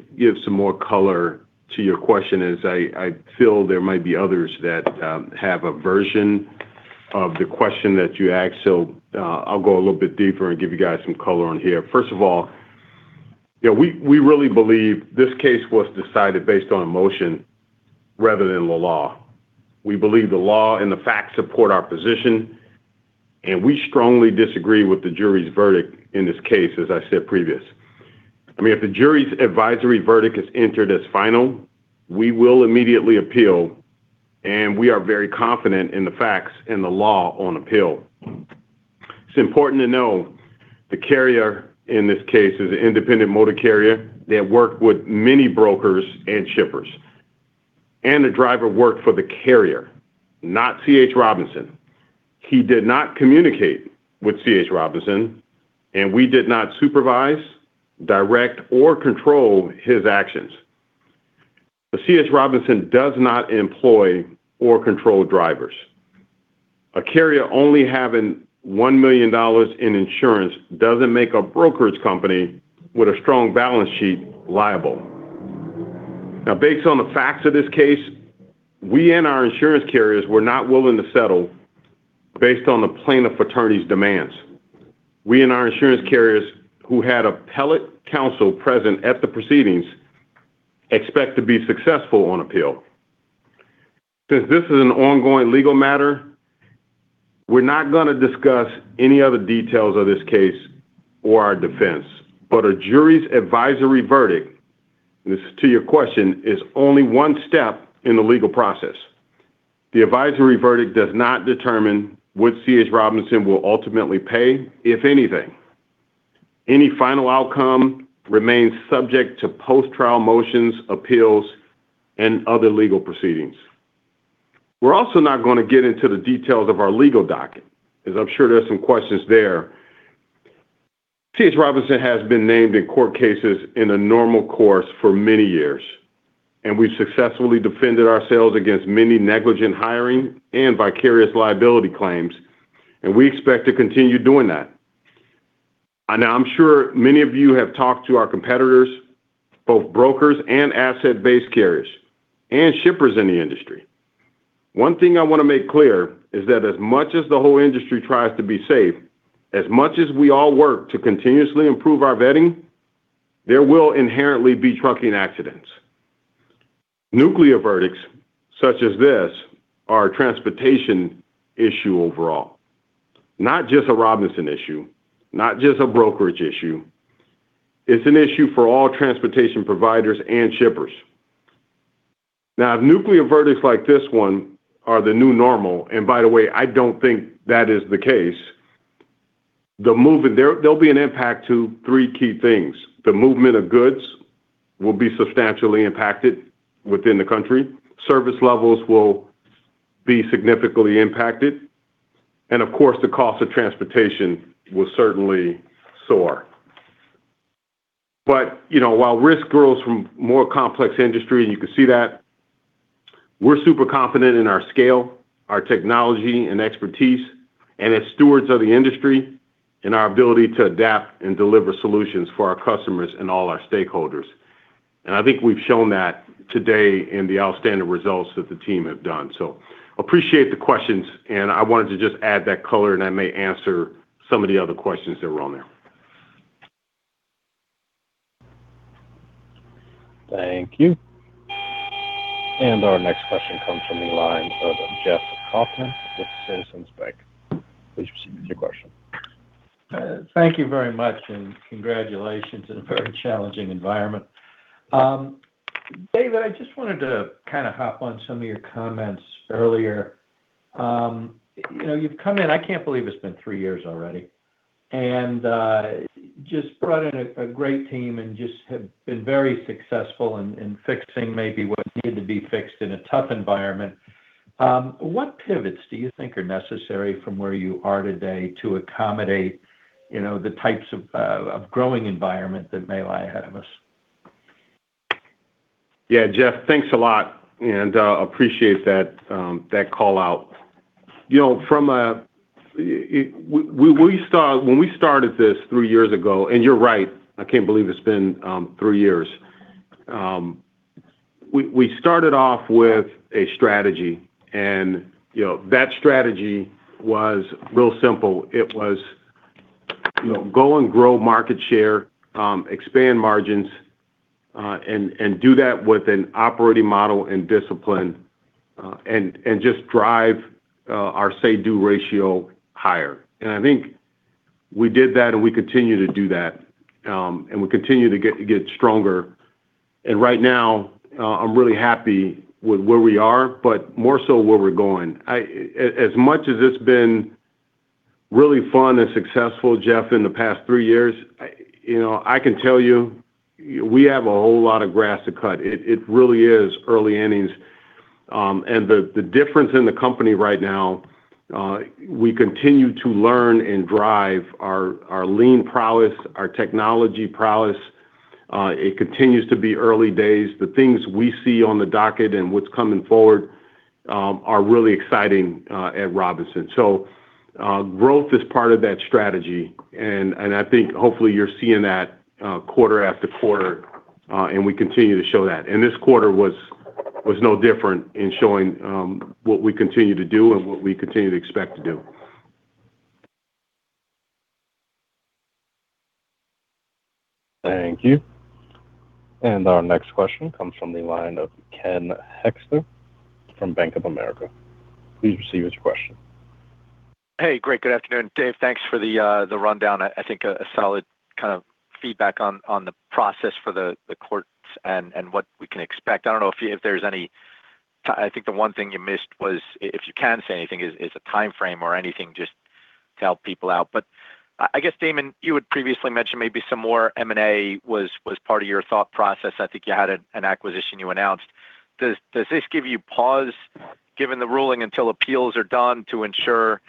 some more color to your question as I feel there might be others that have a version of the question that you asked. I'll go a little bit deeper and give you guys some color on here. First of all, we really believe this case was decided based on emotion rather than the law. We believe the law and the facts support our position, and we strongly disagree with the jury's verdict in this case, as I said previous. If the jury's advisory verdict is entered as final, we will immediately appeal, and we are very confident in the facts and the law on appeal. It's important to know the carrier in this case is an independent motor carrier that worked with many brokers and shippers. The driver worked for the carrier, not C. H. Robinson. He did not communicate with C. H. Robinson, and we did not supervise, direct, or control his actions. C. H. Robinson does not employ or control drivers. A carrier only having $1 million in insurance doesn't make a brokerage company with a strong balance sheet liable. Now, based on the facts of this case, we and our insurance carriers were not willing to settle based on the plaintiff attorney's demands. We and our insurance carriers, who had appellate counsel present at the proceedings, expect to be successful on appeal. Since this is an ongoing legal matter, we're not going to discuss any other details of this case or our defense. A jury's advisory verdict, and this is to your question, is only one step in the legal process. The advisory verdict does not determine what C. H. Robinson will ultimately pay, if anything. Any final outcome remains subject to post-trial motions, appeals, and other legal proceedings. We're also not going to get into the details of our legal docket, because I'm sure there's some questions there. C. H. Robinson has been named in court cases in a normal course for many years, we've successfully defended ourselves against many negligent hiring and vicarious liability claims, and we expect to continue doing that. I know I'm sure many of you have talked to our competitors, both brokers and asset-based carriers, and shippers in the industry. One thing I want to make clear is that as much as the whole industry tries to be safe, as much as we all work to continuously improve our vetting, there will inherently be trucking accidents. Nuclear verdicts such as this are a transportation issue overall, not just a Robinson issue, not just a brokerage issue. It's an issue for all transportation providers and shippers. Now, if nuclear verdicts like this one are the new normal, and by the way, I don't think that is the case, there will be an impact to three key things. The movement of goods will be substantially impacted within the country. Service levels will be significantly impacted. Of course, the cost of transportation will certainly soar. While risk grows from more complex industry, and you can see that, we're super confident in our scale, our technology, and expertise, and as stewards of the industry in our ability to adapt and deliver solutions for our customers and all our stakeholders. I think we've shown that today in the outstanding results that the team have done. Appreciate the questions, and I wanted to just add that color, and I may answer some of the other questions that were on there. Thank you. Our next question comes from the line of Jeff Kauffman with Citizens Bank. Please proceed with your question. Thank you very much, congratulations in a very challenging environment. Dave, I just wanted to hop on some of your comments earlier. You've come in, I can't believe it's been three years already, and just brought in a great team and just have been very successful in fixing maybe what needed to be fixed in a tough environment. What pivots do you think are necessary from where you are today to accommodate the types of growing environment that may lie ahead of us? Yeah, Jeff, thanks a lot, and appreciate that call out. When we started this three years ago, and you're right, I can't believe it's been three years. We started off with a strategy and that strategy was real simple. It was go and grow market share, expand margins, and do that with an operating model and discipline, and just drive our say to ratio higher. I think we did that, and we continue to do that, and we continue to get stronger. Right now, I'm really happy with where we are, but more so where we're going. As much as it's been really fun and successful, Jeff, in the past three years, I can tell you, we have a whole lot of grass to cut. It really is early innings. The difference in the company right now, we continue to learn and drive our Lean prowess, our technology prowess. It continues to be early days. The things we see on the docket and what's coming forward are really exciting at Robinson. Growth is part of that strategy, and I think hopefully you're seeing that quarter after quarter, and we continue to show that. This quarter was no different in showing what we continue to do and what we continue to expect to do. Thank you. Our next question comes from the line of Ken Hoexter from Bank of America. Please proceed with your question. Hey, great. Good afternoon. Dave, thanks for the rundown. I think a solid kind of feedback on the process for the courts and what we can expect. I don't know if there's any I think the one thing you missed was, if you can say anything, is a timeframe or anything just to help people out. I guess, Damon, you had previously mentioned maybe some more M&A was part of your thought process. I think you had an acquisition you announced. Does this give you pause, given the ruling, until appeals are done to ensure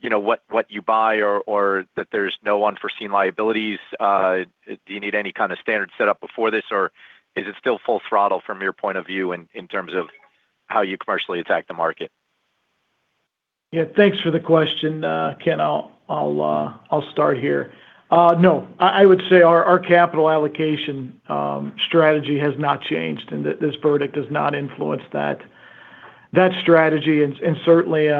you know what you buy or that there's no unforeseen liabilities. Do you need any kind of standard set up before this, or is it still full throttle from your point of view in terms of how you commercially attack the market? Thanks for the question, Ken. I'll start here. I would say our capital allocation strategy has not changed, and this verdict does not influence that strategy. Certainly,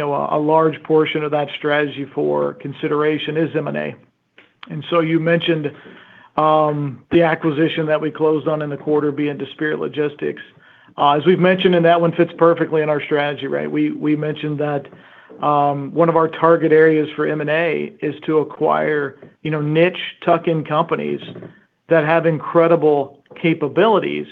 a large portion of that strategy for consideration is M&A. You mentioned the acquisition that we closed on in the quarter being DeSpir Logistics. As we've mentioned, that one fits perfectly in our strategy, right? We mentioned that one of our target areas for M&A is to acquire niche tuck-in companies that have incredible capabilities,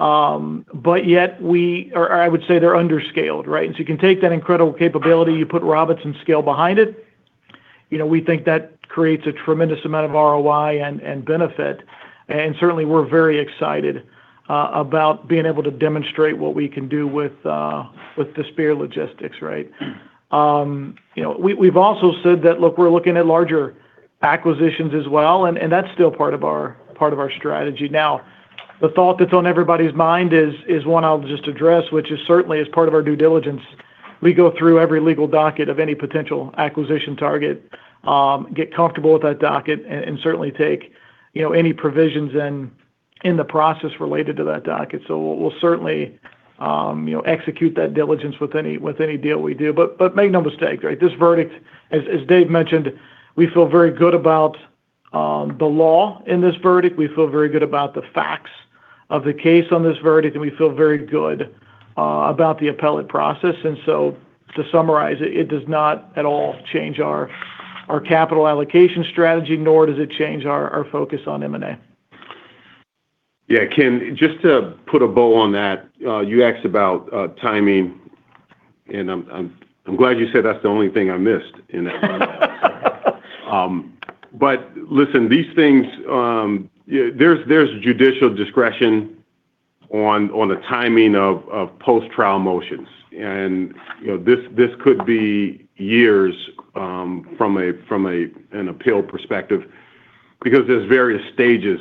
but yet we, or I would say they're under-scaled, right? You can take that incredible capability, you put Robinson scale behind it. We think that creates a tremendous amount of ROI and benefit. Certainly, we're very excited about being able to demonstrate what we can do with DeSpir Logistics, right? We've also said that, look, we're looking at larger acquisitions as well, and that's still part of our strategy. The thought that's on everybody's mind is one I'll just address, which is certainly as part of our due diligence. We go through every legal docket of any potential acquisition target, get comfortable with that docket, and certainly take any provisions in the process related to that docket. We'll certainly execute that diligence with any deal we do. Make no mistake, right? This verdict, as Dave mentioned, we feel very good about the law in this verdict. We feel very good about the facts of the case on this verdict, and we feel very good about the appellate process. To summarize it does not at all change our capital allocation strategy, nor does it change our focus on M&A. Ken, just to put a bow on that. You asked about timing, and I'm glad you said that's the only thing I missed in that rundown. Listen, there's judicial discretion on the timing of post-trial motions. This could be years from an appeal perspective because there's various stages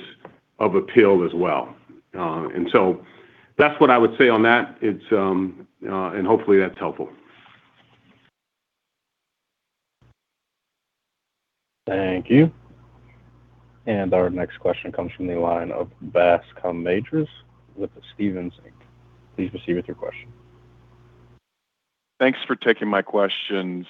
of appeal as well. That's what I would say on that, and hopefully that's helpful. Thank you. Our next question comes from the line of Bascome Majors with the Stephens Inc. Please proceed with your question. Thanks for taking my questions.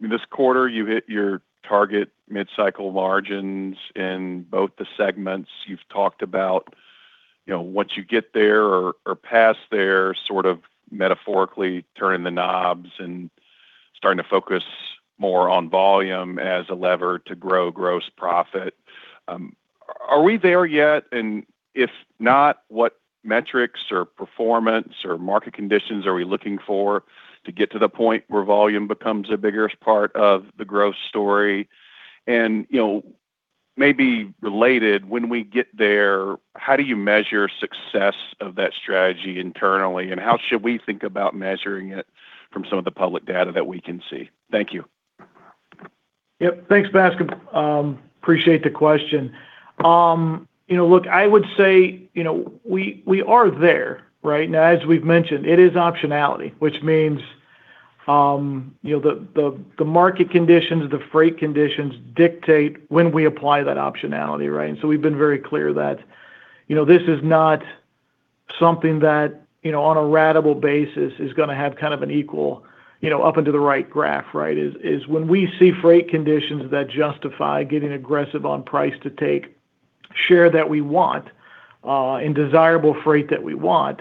This quarter, you hit your target mid-cycle margins in both the segments. You've talked about once you get there or past there, sort of metaphorically turning the knobs and starting to focus more on volume as a lever to grow gross profit. Are we there yet? If not, what metrics or performance or market conditions are we looking for to get to the point where volume becomes the biggest part of the growth story? Maybe related, when we get there, how do you measure success of that strategy internally, and how should we think about measuring it from some of the public data that we can see? Thank you. Yep. Thanks, Bascome. Appreciate the question. Look, I would say, we are there, right? Now, as we've mentioned, it is optionality, which means the market conditions, the freight conditions dictate when we apply that optionality, right? We've been very clear that this is not something that on a ratable basis is going to have kind of an equal up and to the right graph, right? Is when we see freight conditions that justify getting aggressive on price to take share that we want, and desirable freight that we want,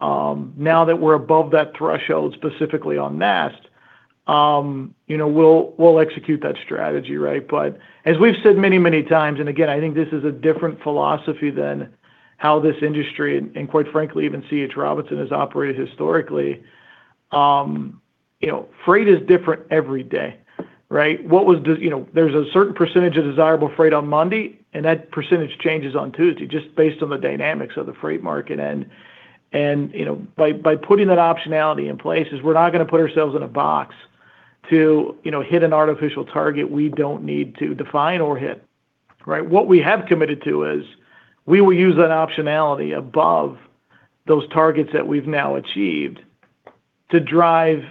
now that we're above that threshold, specifically on NAST, we'll execute that strategy, right? As we've said many, many times, and again, I think this is a different philosophy than how this industry, and quite frankly, even C. H. Robinson has operated historically. Freight is different every day, right? There's a certain percentage of desirable freight on Monday, and that percentage changes on Tuesday, just based on the dynamics of the freight market. By putting that optionality in place, is we're not going to put ourselves in a box to hit an artificial target we don't need to define or hit. Right? What we have committed to is, we will use that optionality above those targets that we've now achieved to drive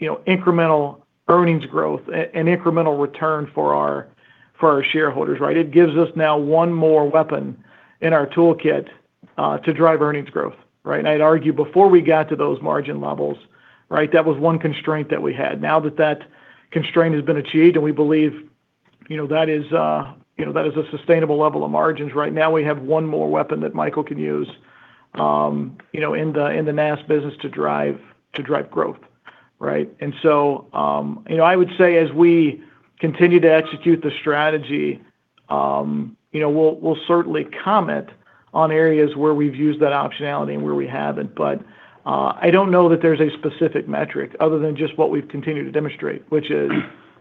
incremental earnings growth and incremental return for our shareholders, right? It gives us now one more weapon in our toolkit to drive earnings growth, right? I'd argue before we got to those margin levels, that was one constraint that we had. Now that that constraint has been achieved, and we believe that is a sustainable level of margins right now, we have one more weapon that Michael can use in the NAST business to drive growth, right? I would say as we continue to execute the strategy, we'll certainly comment on areas where we've used that optionality and where we haven't. I don't know that there's a specific metric other than just what we've continued to demonstrate, which is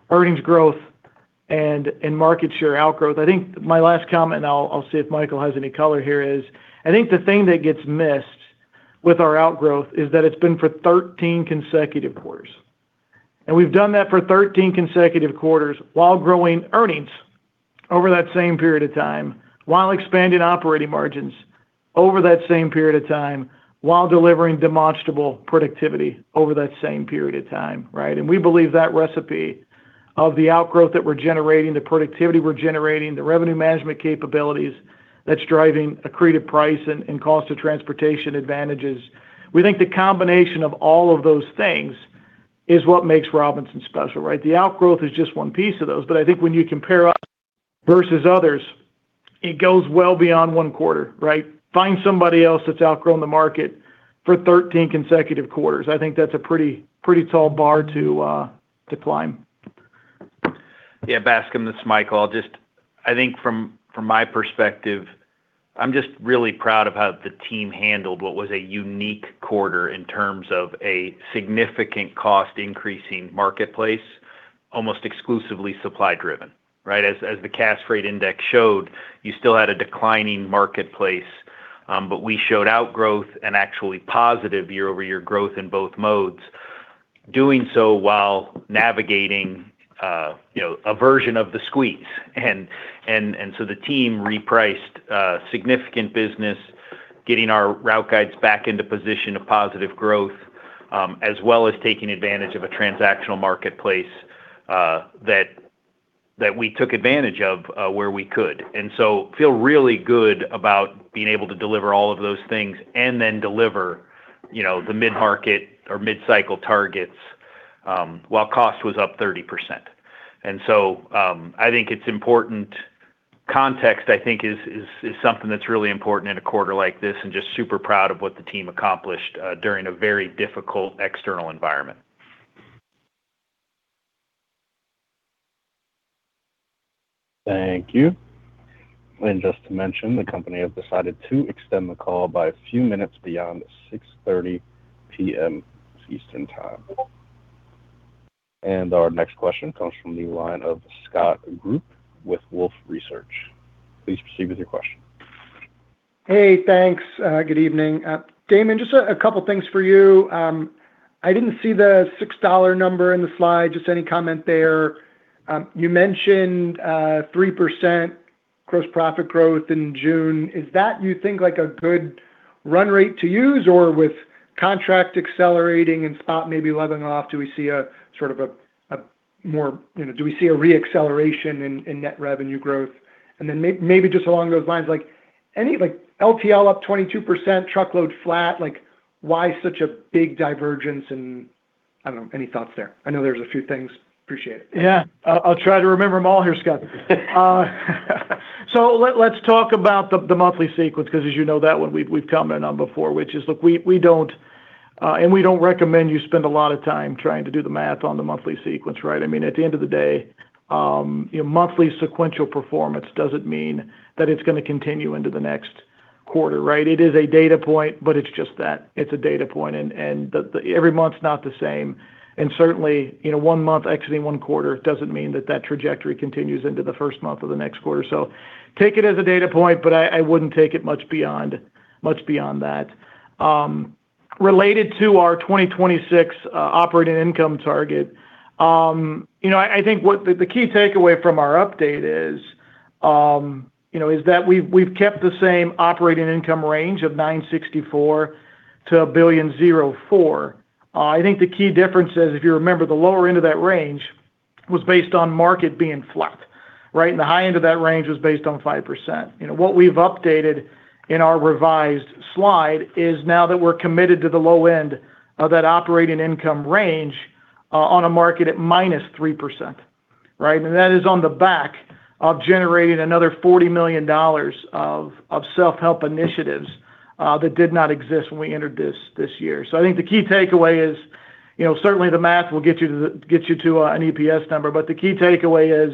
earnings growth and market share outgrowth. I think my last comment, and I'll see if Michael has any color here, is I think the thing that gets missed With our outgrowth is that it's been for 13 consecutive quarters. We've done that for 13 consecutive quarters while growing earnings over that same period of time, while expanding operating margins over that same period of time, while delivering demonstrable productivity over that same period of time. Right? We believe that recipe of the outgrowth that we're generating, the productivity we're generating, the revenue management capabilities that's driving accretive price and cost of transportation advantages, we think the combination of all of those things is what makes Robinson special. Right? The outgrowth is just one piece of those. I think when you compare us versus others, it goes well beyond one quarter, right? Find somebody else that's outgrown the market for 13 consecutive quarters. I think that's a pretty tall bar to climb. Yeah, Bascome, this is Michael. I think from my perspective, I'm just really proud of how the team handled what was a unique quarter in terms of a significant cost increasing marketplace, almost exclusively supply driven. Right? As the Cass Freight Shipment Index showed, you still had a declining marketplace. We showed outgrowth and actually positive year-over-year growth in both modes, doing so while navigating a version of the squeeze. The team repriced significant business, getting our route guides back into position of positive growth, as well as taking advantage of a transactional marketplace that we took advantage of where we could. Feel really good about being able to deliver all of those things and then deliver the mid-market or mid-cycle targets while cost was up 30%. I think it's important context, I think is something that's really important in a quarter like this, just super proud of what the team accomplished during a very difficult external environment. Thank you. Just to mention, the company have decided to extend the call by a few minutes beyond 6:30 P.M. Eastern Time. Our next question comes from the line of Scott Group with Wolfe Research. Please proceed with your question. Hey, thanks. Good evening. Damon, just a couple things for you. I didn't see the $6 number in the slide. Just any comment there? You mentioned 3% gross profit growth in June. Is that you think a good run rate to use or with contract accelerating and spot maybe leveling off, do we see a re-acceleration in net revenue growth? Maybe just along those lines, LTL up 22%, truckload flat. Why such a big divergence and, I don't know, any thoughts there? I know there's a few things. Appreciate it. Yeah. I'll try to remember them all here, Scott. Let's talk about the monthly sequence because as you know that one we've commented on before, which is, look, we don't recommend you spend a lot of time trying to do the math on the monthly sequence, right? I mean, at the end of the day, your monthly sequential performance doesn't mean that it's going to continue into the next quarter, right? It is a data point, but it's just that. It's a data point. Every month's not the same. Certainly, one month, actually one quarter, doesn't mean that trajectory continues into the first month of the next quarter. Take it as a data point, but I wouldn't take it much beyond that. Related to our 2026 operating income target, I think what the key takeaway from our update is that we've kept the same operating income range of $964 million-$1.04 billion. I think the key difference is, if you remember, the lower end of that range was based on market being flat. Right? The high end of that range was based on 5%. What we've updated in our revised slide is now that we're committed to the low end of that operating income range on a market at -3%, right? That is on the back of generating another $40 million of self-help initiatives that did not exist when we entered this year. I think the key takeaway is certainly the math will get you to an EPS number, but the key takeaway is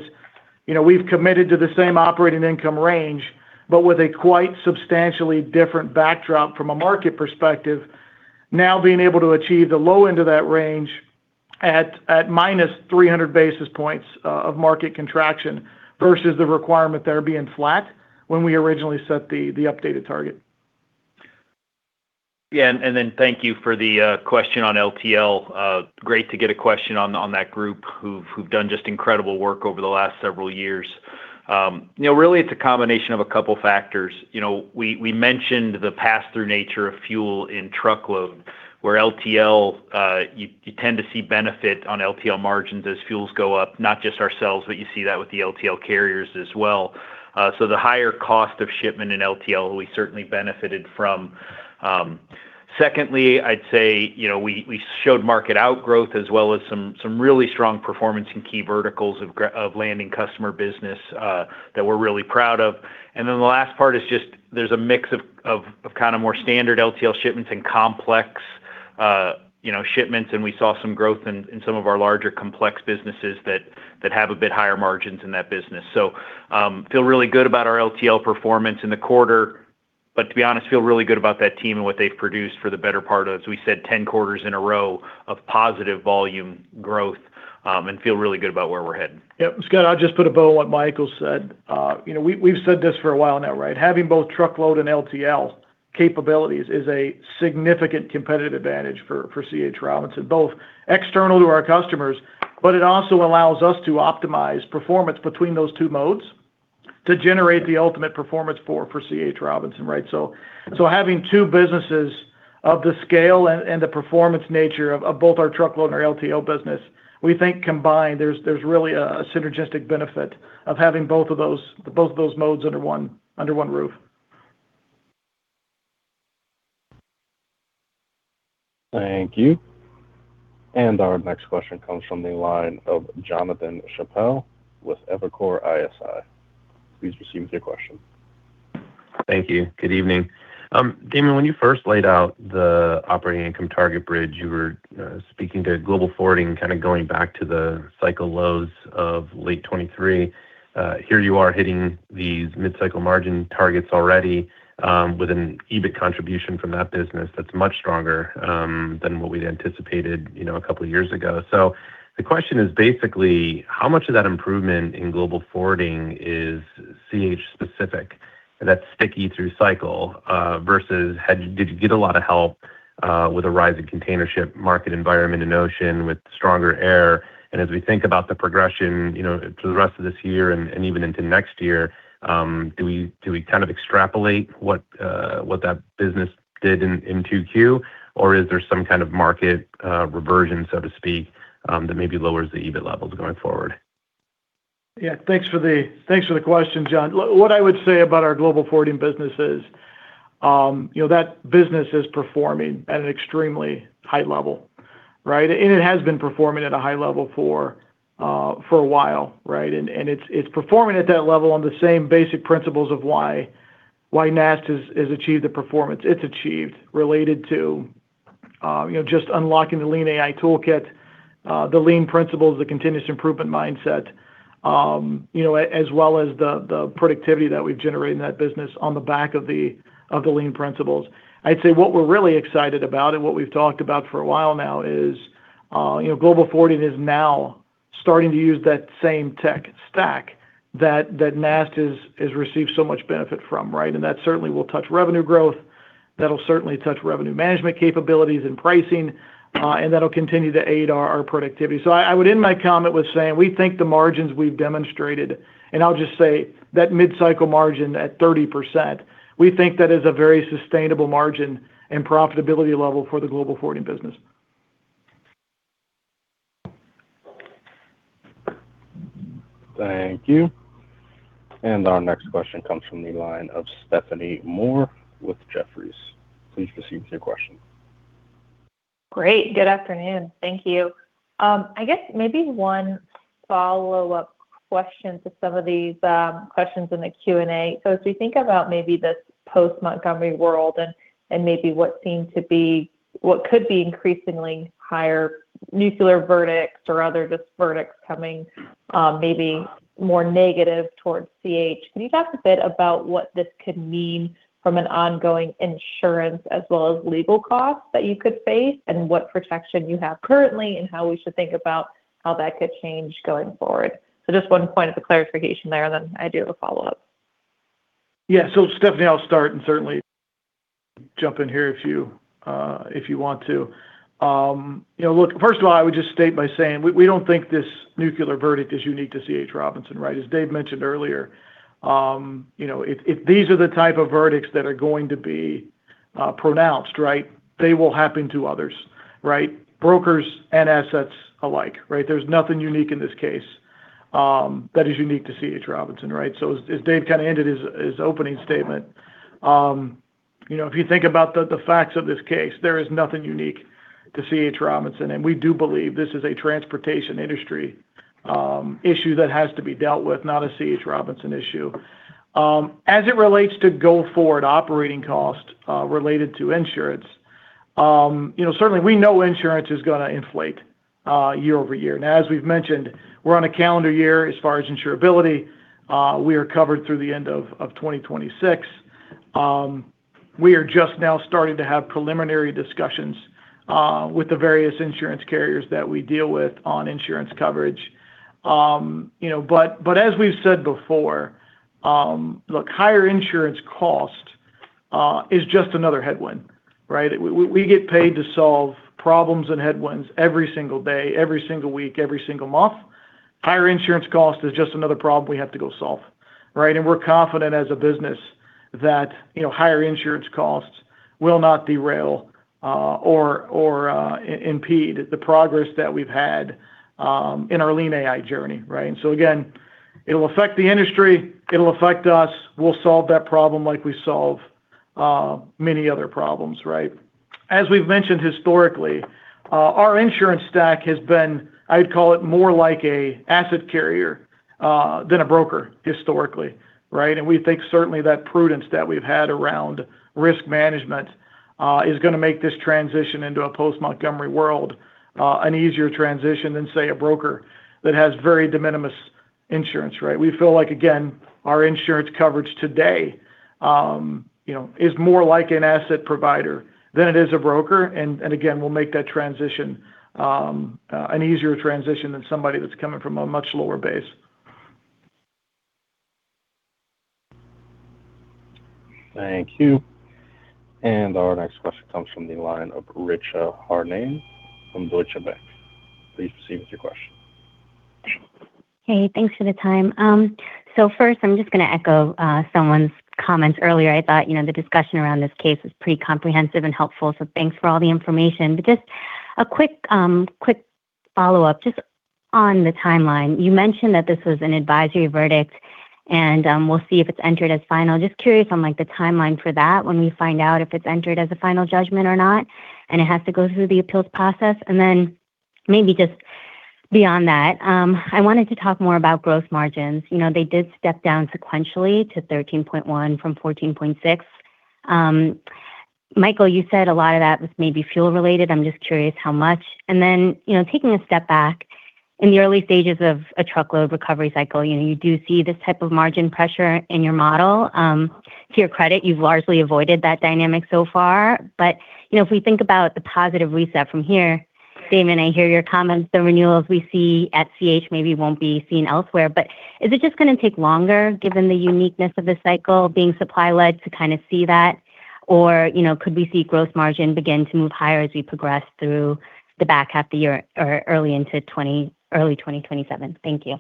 we've committed to the same operating income range, but with a quite substantially different backdrop from a market perspective. Now being able to achieve the low end of that range at -300 basis points of market contraction versus the requirement there being flat when we originally set the updated target. Thank you for the question on LTL. Great to get a question on that group who've done just incredible work over the last several years. Really, it's a combination of a couple factors. We mentioned the pass-through nature of fuel in truckload, where LTL, you tend to see benefit on LTL margins as fuels go up, not just ourselves, but you see that with the LTL carriers as well. The higher cost of shipment in LTL, we certainly benefited from. Secondly, I'd say we showed market outgrowth as well as some really strong performance in key verticals of landing customer business that we're really proud of. The last part is just there's a mix of more standard LTL shipments and complex shipments, and we saw some growth in some of our larger, complex businesses that have a bit higher margins in that business. Feel really good about our LTL performance in the quarter, but to be honest, feel really good about that team and what they've produced for the better part of, as we said, 10 quarters in a row of positive volume growth. Feel really good about where we're heading. Scott, I'll just put a bow on what Michael said. We've said this for a while now, right? Having both truckload and LTL capabilities is a significant competitive advantage for C. H. Robinson, both external to our customers, but it also allows us to optimize performance between those two modes to generate the ultimate performance for C. H. Robinson, right? Having two businesses of the scale and the performance nature of both our truckload and our LTL business, we think combined, there's really a synergistic benefit of having both of those modes under one roof. Thank you. Our next question comes from the line of Jonathan Chappell with Evercore ISI. Please proceed with your question. Thank you. Good evening. Damon, when you first laid out the operating income target bridge, you were speaking to Global Forwarding, kind of going back to the cycle lows of late 2023. Here you are hitting these mid-cycle margin targets already with an EBIT contribution from that business that's much stronger than what we'd anticipated a couple of years ago. The question is basically, how much of that improvement in Global Forwarding is C. H. specific that's sticky through cycle versus did you get a lot of help with a rise in container ship market environment in ocean with stronger air? As we think about the progression to the rest of this year and even into next year, do we kind of extrapolate what that business did in Q2, or is there some kind of market reversion, so to speak, that maybe lowers the EBIT levels going forward? Yeah. Thanks for the question, Jonathan. What I would say about our Global Forwarding business is that business is performing at an extremely high level, right? It has been performing at a high level for a while, right? It's performing at that level on the same basic principles of why NAST has achieved the performance it's achieved related to just unlocking the Lean AI toolkit, the Lean principles, the continuous improvement mindset, as well as the productivity that we've generated in that business on the back of the Lean principles. I'd say what we're really excited about and what we've talked about for a while now is Global Forwarding is now starting to use that same tech stack that NAST has received so much benefit from, right? That certainly will touch revenue growth, that'll certainly touch revenue management capabilities and pricing, and that'll continue to aid our productivity. I would end my comment with saying we think the margins we've demonstrated, and I'll just say that mid-cycle margin at 30%, we think that is a very sustainable margin and profitability level for the Global Forwarding business. Thank you. Our next question comes from the line of Stephanie Moore with Jefferies. Please proceed with your question. Great. Good afternoon. Thank you. I guess maybe one follow-up question to some of these questions in the Q&A. As we think about maybe this post-Montgomery world and maybe what could be increasingly higher nuclear verdicts or other verdicts coming maybe more negative towards CH, can you talk a bit about what this could mean from an ongoing insurance as well as legal cost that you could face and what protection you have currently and how we should think about how that could change going forward? Just one point of clarification there, and then I do have a follow-up. Yeah. Stephanie, I'll start and certainly jump in here if you want to. Look, first of all, I would just state by saying we don't think this nuclear verdict is unique to C. H. Robinson, right? As Dave mentioned earlier, if these are the type of verdicts that are going to be pronounced, right? They will happen to others, right? Brokers and assets alike, right? There's nothing unique in this case that is unique to C. H. Robinson, right? As Dave kind of ended his opening statement, if you think about the facts of this case, there is nothing unique to C. H. Robinson, and we do believe this is a transportation industry issue that has to be dealt with, not a C. H. Robinson issue. As it relates to go-forward operating cost related to insurance, certainly we know insurance is going to inflate year-over-year. Now as we've mentioned, we're on a calendar year as far as insurability. We are covered through the end of 2026. We are just now starting to have preliminary discussions with the various insurance carriers that we deal with on insurance coverage. As we've said before, look, higher insurance cost is just another headwind, right? We get paid to solve problems and headwinds every single day, every single week, every single month. Higher insurance cost is just another problem we have to go solve, right? We're confident as a business that higher insurance costs will not derail or impede the progress that we've had in our Lean AI journey, right? Again, it'll affect the industry, it'll affect us. We'll solve that problem like we solve many other problems, right? As we've mentioned historically, our insurance stack has been, I'd call it more like an asset carrier than a broker historically, right? We think certainly that prudence that we've had around risk management is going to make this transition into a post-Montgomery world an easier transition than, say, a broker that has very de minimis Insurance, right? We feel like, again, our insurance coverage today is more like an asset provider than it is a broker. Again, we'll make that transition an easier transition than somebody that's coming from a much lower base. Thank you. Our next question comes from the line of Richa Harnain from Deutsche Bank. Please proceed with your question. Hey, thanks for the time. First, I'm just going to echo someone's comments earlier. I thought the discussion around this case was pretty comprehensive and helpful, so thanks for all the information. Just a quick follow-up just on the timeline. You mentioned that this was an advisory verdict and we'll see if it's entered as final. Just curious on the timeline for that, when we find out if it's entered as a final judgment or not, and it has to go through the appeals process. Then maybe just beyond that, I wanted to talk more about growth margins. They did step down sequentially to 13.1% from 14.6%. Michael, you said a lot of that was maybe fuel related. I'm just curious how much. Then, taking a step back, in the early stages of a truckload recovery cycle, you do see this type of margin pressure in your model. To your credit, you've largely avoided that dynamic so far. If we think about the positive reset from here, Damon, I hear your comments. The renewals we see at CH maybe won't be seen elsewhere. Is it just going to take longer, given the uniqueness of the cycle being supply led to kind of see that? Could we see growth margin begin to move higher as we progress through the back half of the year or early into early 2027? Thank you.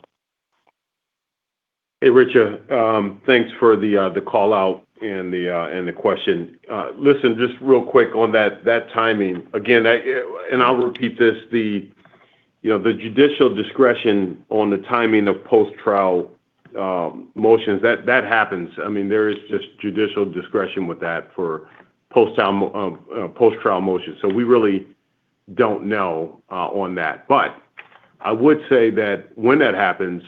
Hey, Richa. Thanks for the call out and the question. Listen, just real quick on that timing. Again, and I'll repeat this, the judicial discretion on the timing of post-trial motions, that happens. There is just judicial discretion with that for post-trial motions. We really don't know on that. I would say that when that happens,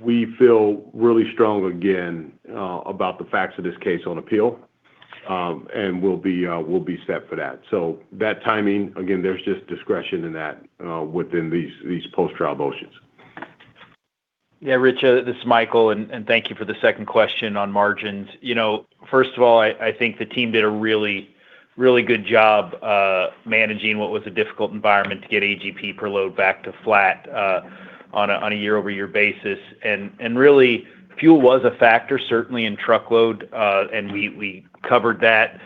we feel really strong again about the facts of this case on appeal, and we'll be set for that. That timing, again, there's just discretion in that within these post-trial motions. Richa, this is Michael, and thank you for the second question on margins. First of all, I think the team did a really good job managing what was a difficult environment to get AGP per load back to flat on a year-over-year basis. Really, fuel was a factor, certainly in truckload, and we covered that.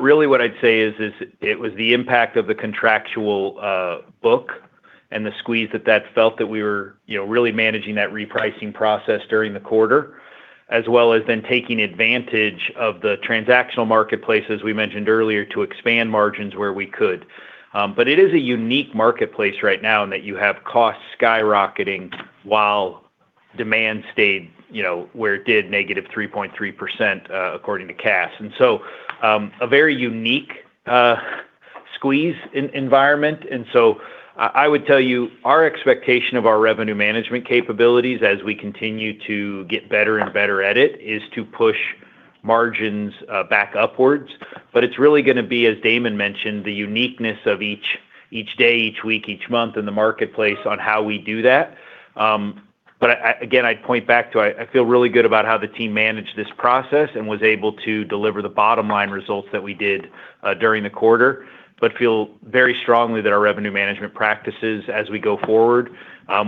Really what I'd say is it was the impact of the contractual book and the squeeze that that felt that we were really managing that repricing process during the quarter, as well as then taking advantage of the transactional marketplace, as we mentioned earlier, to expand margins where we could. It is a unique marketplace right now in that you have costs skyrocketing while demand stayed where it did, negative 3.3% according to Cass. A very unique squeeze environment. I would tell you our expectation of our revenue management capabilities as we continue to get better and better at it is to push margins back upwards. It's really going to be, as Damon mentioned, the uniqueness of each day, each week, each month in the marketplace on how we do that. Again, I'd point back to I feel really good about how the team managed this process and was able to deliver the bottom line results that we did during the quarter, but feel very strongly that our revenue management practices as we go forward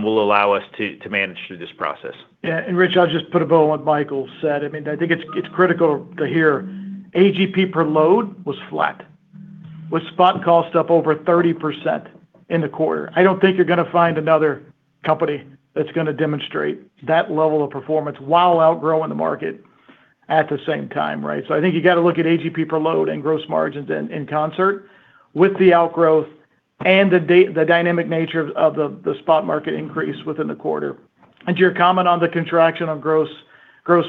will allow us to manage through this process. Richa, I'll just put a bow on what Michael said. I think it's critical to hear AGP per load was flat, with spot costs up over 30% in the quarter. I don't think you're going to find another company that's going to demonstrate that level of performance while outgrowing the market at the same time, right? I think you got to look at AGP per load and gross margins in concert with the outgrowth and the dynamic nature of the spot market increase within the quarter. To your comment on the contraction on gross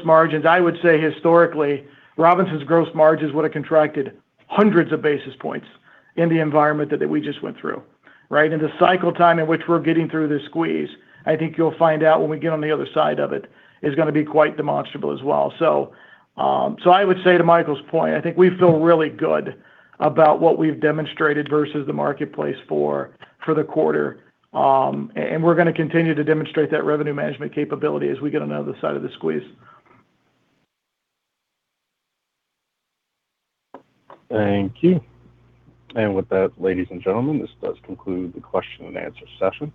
margins, I would say historically, Robinson's gross margins would have contracted hundreds of basis points in the environment that we just went through. Right? The cycle time in which we're getting through this squeeze, I think you'll find out when we get on the other side of it is going to be quite demonstrable as well. I would say to Michael's point, I think we feel really good about what we've demonstrated versus the marketplace for the quarter. We're going to continue to demonstrate that revenue management capability as we get on the other side of the squeeze. Thank you. With that, ladies and gentlemen, this does conclude the question-and-answer session.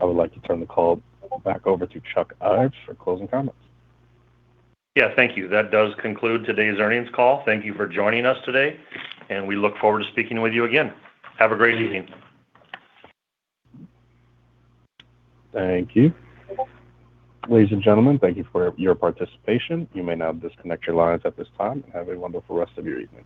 I would like to turn the call back over to Chuck Ives for closing comments. Yeah, thank you. That does conclude today's earnings call. Thank you for joining us today, and we look forward to speaking with you again. Have a great evening. Thank you. Ladies and gentlemen, thank you for your participation. You may now disconnect your lines at this time. Have a wonderful rest of your evening.